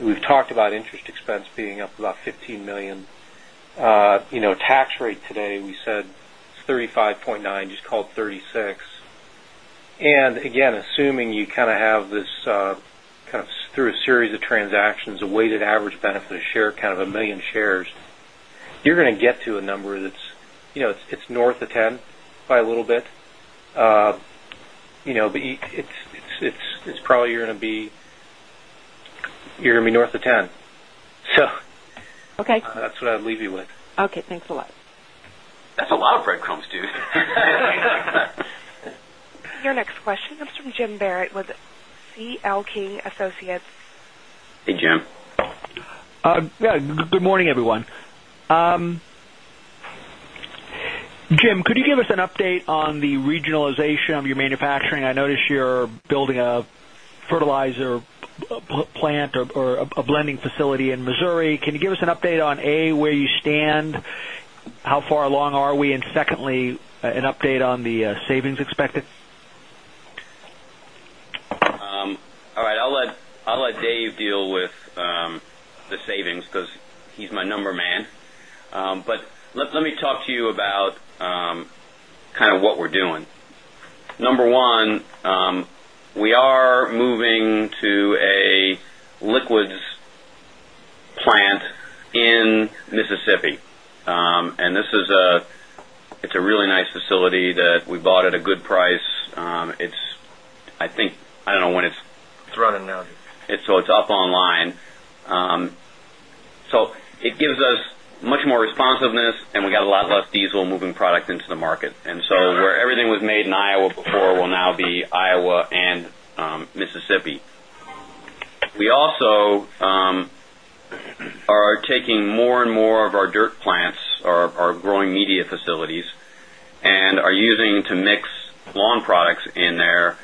We've talked about interest expense being up about 15,000,000. Tax rate today, we said it's $35,900,000 just called $36,000,000 And again, assuming you kind of have this kind of through a series of transactions, a weighted average benefit a share kind of 1,000,000 shares, you're going to get to a number that's north of 10 by a little bit. It's probably you're going to be north of 10. So that's what I'll leave you with. Okay. Thanks a lot. That's a lot of bread crumbs, dude. Your next question is from Jim Barrett with CL King Associates. Hey, Jim. Good morning, everyone. Jim, could you give us an update on the regionalization of your manufacturing? I noticed you're building a fertilizer plant or a blending facility in Missouri. Can you give us an update on A, where you stand? How far along are we? And secondly, an update on the savings expected? All right. I'll let Dave deal with the savings because he's my number man. But let me talk to you about kind of what we're doing. Number 1, we are moving to a liquids plant in Mississippi. And this is a it's a really nice facility that we bought at a good price. It's I think, I don't know when it's It's running now. So it's up online. So it gives us much more responsiveness and we got a lot less diesel moving product into the market. And so where everything was made in Iowa before will now be Iowa and Mississippi. We also are taking more and more of our dirt plants, our growing media facilities and are using to mix lawn products in there,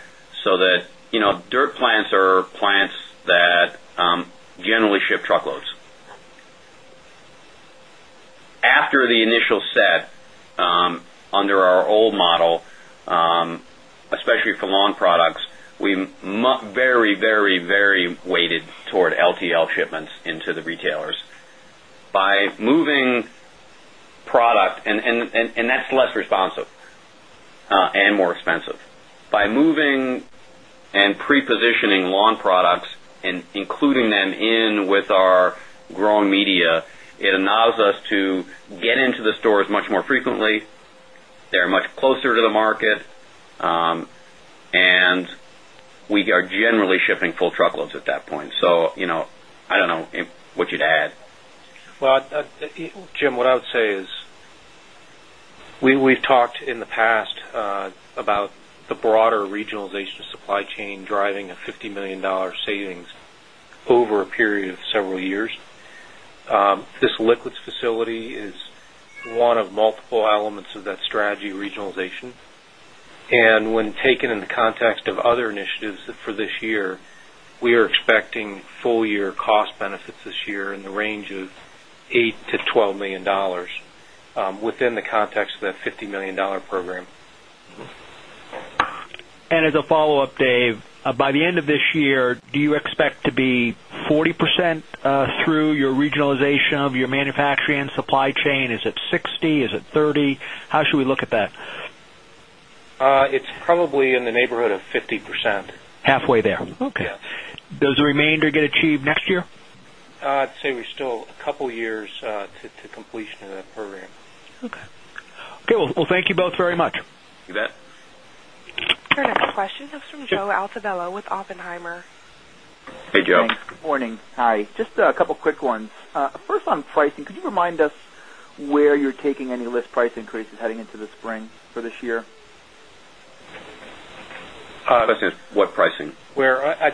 so that dirt plants are plants that generally ship truckloads. After the initial set under our old model, especially for lawn products, we very, very, very weighted toward LTL shipments into the retailers. By moving product and that's less responsive and more expensive. By moving and pre positioning lawn products and including them in with our growing media, it allows us to get into the stores much more frequently. They're much closer to the market and we are generally shipping full truckloads at that point. So I don't know what you'd add. Well, Jim, what I would say is, we've talked in the past about the broader regionalization of supply chain driving a $50,000,000 savings over a period of several years. This liquids facility is one of multiple elements of that strategy regionalization. And when taken in the context of other initiatives for this year, we are expecting full year cost benefits this year in the range of $8,000,000 to $12,000,000 within the context of the $50,000,000 program. And as a follow-up, Dave, by the end of this year, do you expect to be 40% through your regionalization of your manufacturing and supply chain? Is it 60%, is it 30%, how should we look at that? It's probably in the neighborhood of 50%. Halfway there, okay. Does the remainder get achieved next year? Say we're still a couple of years to completion of that program. Okay. Okay. Well, thank you both very much. You bet. Your next question comes from Joe Altobello with Oppenheimer. Hey, Joe. Thanks. Good morning. Hi. Just a couple of quick ones. First on pricing, could you remind us where you're taking any list price increases heading into the spring for this year? I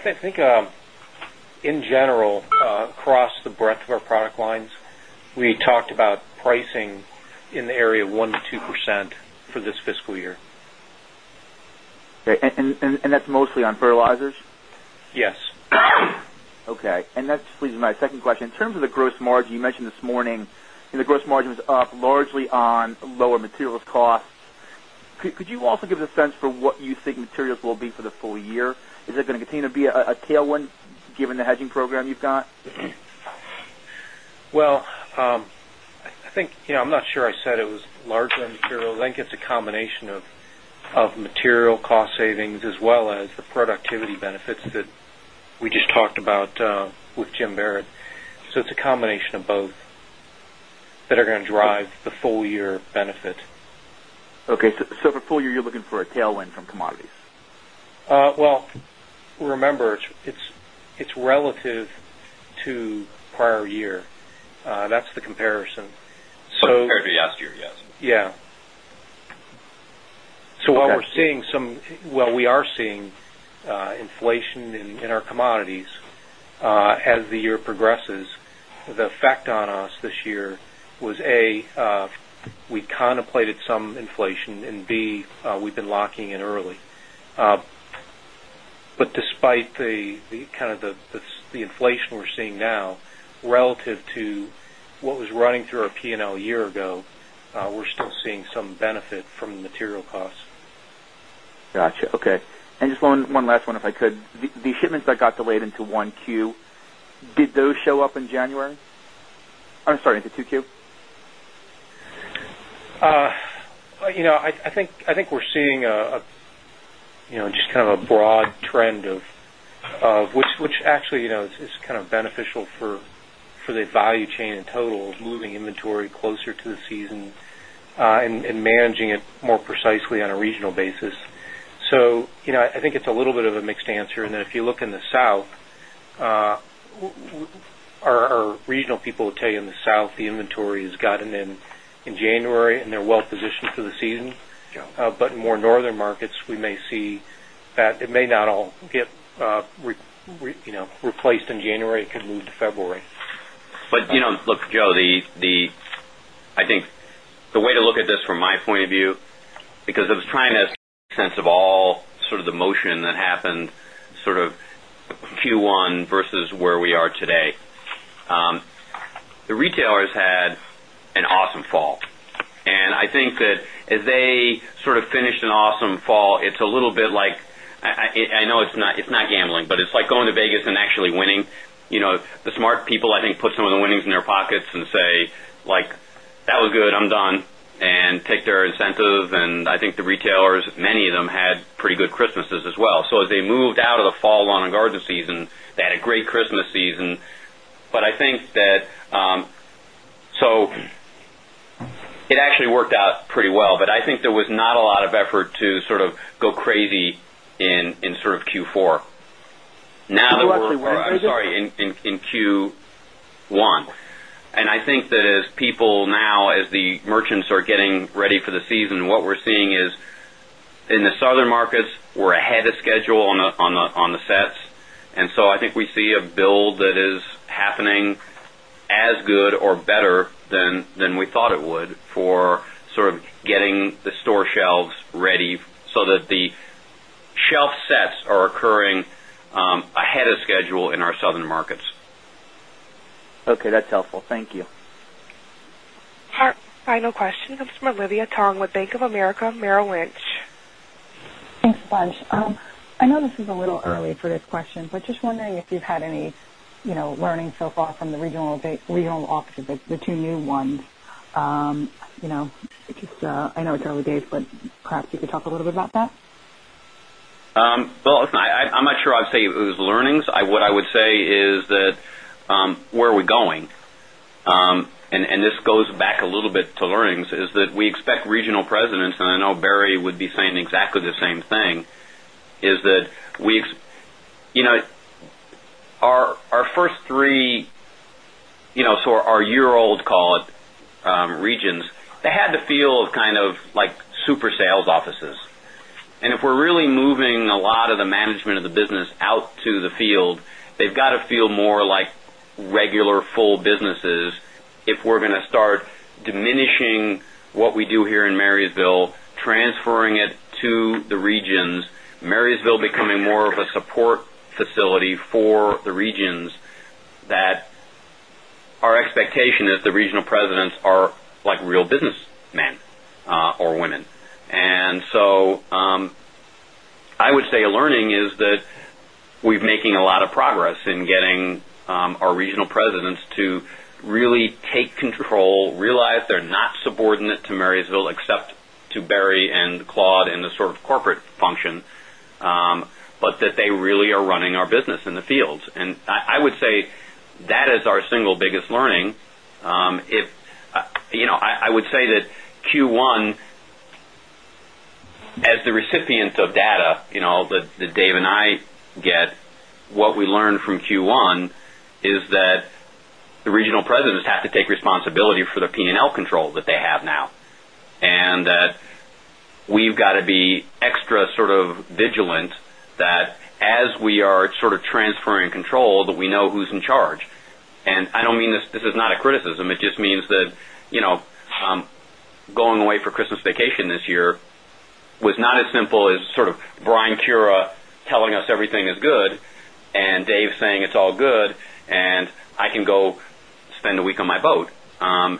think in general across the breadth of our product lines, we talked about pricing in the area 1% to 2% for this fiscal year. And that's mostly on fertilizers? Yes. Okay. And that's leads to my second question. In terms of the gross margin, you mentioned this morning, the gross margin was up largely on lower material costs. Could you also give us a sense for what you think materials will be for the full year? Is it going to continue to be a tailwind given the hedging program you've got? Well, I think I'm not sure I said it was largely material. I think it's a Barrett. So it's a combination of both that are going to drive the full year Well, remember, it's relative to prior year. That's the comparison. Compared to last year, yes. Yes. So while we're seeing some while we are seeing inflation in our commodities, as the year progresses, the effect on us this year was A, we contemplated some inflation and B, we've been locking in early. But despite the kind of the inflation we're seeing now relative to what was running through our P and L a year ago, we're still seeing some benefit from material costs. Got you, okay. And just one last one if I could. The shipments that got delayed into 1Q, did those show up in January, I'm sorry, into 2Q? I think we're seeing just kind of a broad trend of which actually is kind of beneficial for the value chain in total, moving inventory closer to the season and managing it more precisely on a regional basis. So, I think it's a little bit of a mixed answer. And then if you look in the South, our regional people will tell you in the South, the inventory has gotten in January and they're well positioned for the season. But more Northern markets, we may see that it may not all get replaced in January, it could move to February. But look, Joe, I think the way to look at this from my point of view, because I was trying to sense of all sort of the motion that happened sort of Q1 versus where we are today. The retailers had an awesome fall. And I think that as they sort of finished an awesome fall, it's a little bit like I know it's not gambling, but it's like going to Vegas and actually winning. The smart people, I think, put some of the winnings in their pockets and say, like, that was good, I'm done, and take their incentive. And I think the retailers, many of them had pretty good Christmases as well. So as they moved out of the fall lawn and garden season, they had a great Christmas season. But I think that so it actually worked out pretty well, but I think there was a lot of effort to sort of go crazy in sort of Q4. Now that we were sorry, in Q1. And I think that as people now as the merchants are getting ready for the season, what we're seeing is in the Southern markets, we're ahead of schedule on the sets. And so I think we see a or better than we thought it would for sort of getting the store shelves ready, so that the shelf sets are occurring ahead of schedule in our Southern markets. Okay, that's helpful. Thank you. Our final question comes from Olivia Tong with Bank of America Merrill Lynch. Thanks a bunch. I know this is a little early for this question, but just wondering if you've had any learning so far from the regional office, the 2 new ones. I know it's early days, but perhaps you could talk a little bit about that? Well, I'm not sure I'd say it was learnings. What I would say is that where are we going? And this goes back a little bit to learnings is that we expect regional presidents and I know Barry would be saying exactly the same thing is that we our first three, so our year old call it regions, they had the feel of kind of like super sales offices. And if we're really moving a lot of the management of the business out to the field, they've got to feel more like regular full businesses if we're going to start diminishing Marysville, transferring it to the regions, Marysville becoming more of a support facility for the regions that our expectation is the regional presidents are like real businessmen or women. And so I would say a learning is that we're making a lot of progress in getting our regional presidents to really take control, realize they're not subordinate to Marysville, fields. And I would say that is our single biggest learning. I would say that Q1 as the recipient of data that Dave and I get what we learned from Q1 is that the regional presidents have to take responsibility for the P and L control that they have now. And that we've got to be extra sort of vigilant that as we are sort of transferring control that we know who's in charge. And I don't mean this is not a criticism, it just means that going away for Christmas vacation this year was not as simple as sort of Brian Cura telling us everything is good and Dave saying it's all good and I can go spend a week on my boat.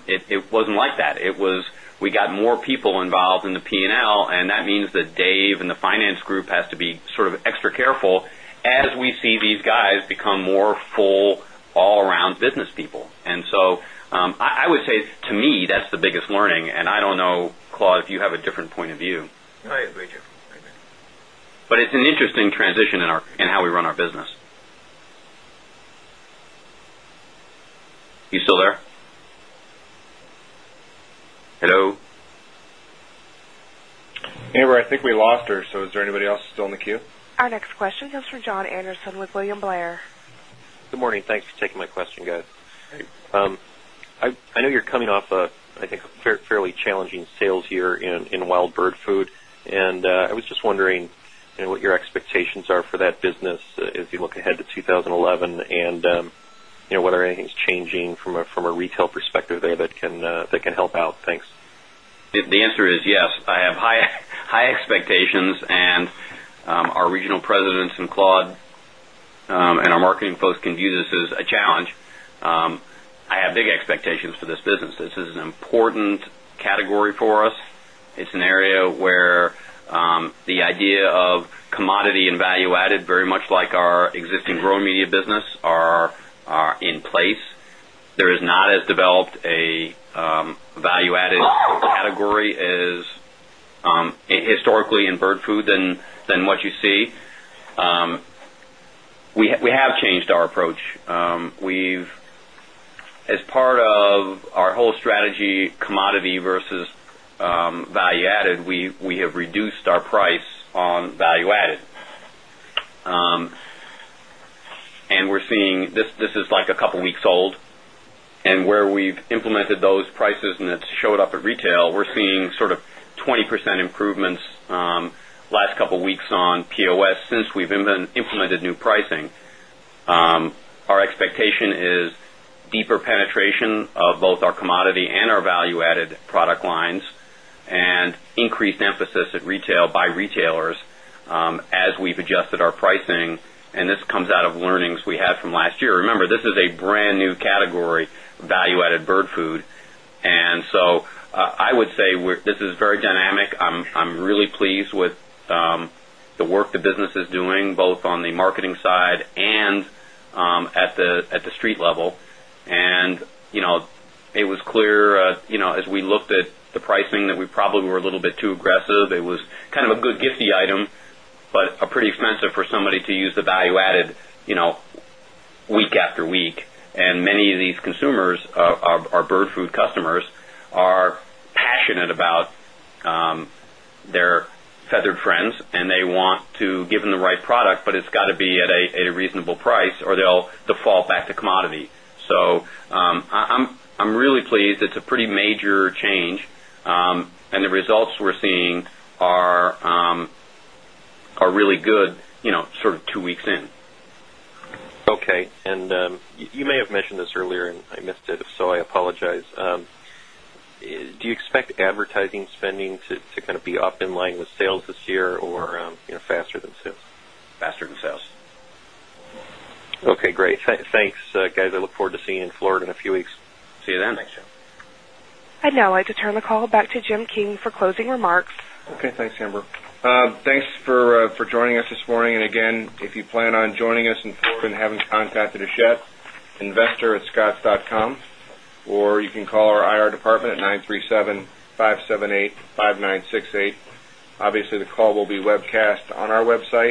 It wasn't like that. It was we got more people involved in the P and L and that means that Dave and the finance group has to be sort of extra careful as we see these guys become more full all around business people. And so, I would say, to me, that's the biggest learning and I don't know, Claude, if you have a different point of view. I agree, Jeff. But it's an interesting transition in our in how we run our business. How we run our business. Are you still there? Anywhere, I think we lost her. So is there anybody else still in the queue? Our next question comes from John Anderson with William Blair. Good morning. Thanks for taking my question, guys. I know you're coming off, I think, a fairly challenging sales year in wild bird food, And I was just wondering what your expectations are for that business as you look ahead to 2011 and whether anything is changing from a retail perspective there that can help out? Thanks. The answer is yes. I have high expectations and our regional presidents and Claude and our marketing folks can view this as a challenge. I have big expectations for this business. This is an important category for us. It's an area where the idea of commodity in value added very much like our existing growing media business are in place. There is not as developed a value added category as historically in bird food than what you see. We have changed our approach. We've as part of our whole strategy commodity versus value added, we have reduced our price on value added. And we're seeing this is like a couple of weeks old and where we've implemented those prices and that showed up at retail, we're seeing sort of 20% improvements last couple of weeks on POS since we've implemented new pricing. Our expectation is deeper penetration of both our commodity and our value added product lines and increased emphasis at retail by retailers as we've adjusted our pricing and this comes out of learnings we had from last year. Remember, this is a brand new category, value added bird food. And so I would say this is very dynamic. I'm really pleased with the work the business is doing both on the marketing side and at the street level. And it was clear as we looked at the pricing that we probably were a little bit too aggressive, it was kind of a good gift item, but pretty expensive for somebody to use the value added week after week. And many of these consumers are bird food customers are passionate about their feathered friends and they want to give them the right product, but it's got to be at a reasonable price or they'll default back to commodity. So I'm really pleased. It's a pretty major change and the results we're seeing are really good sort of 2 weeks in. Okay. And you may have mentioned this earlier and I missed it, so I apologize. Do you expect advertising spending to kind of be up in line with sales this year or faster than sales? Faster than sales. Okay, great. Thanks guys. I look forward to seeing you in Florida in a few weeks. See you then. Thanks, Joe. I'd now like to turn the call back to Jim King for closing remarks. Okay. Thanks, Amber. Thanks for joining us this morning. And again, if you plan on joining us in Florida and having contacted Ashet, investorscotts.com or you can call our IR department at 937-578-5968. Obviously, the call will be webcast on our website.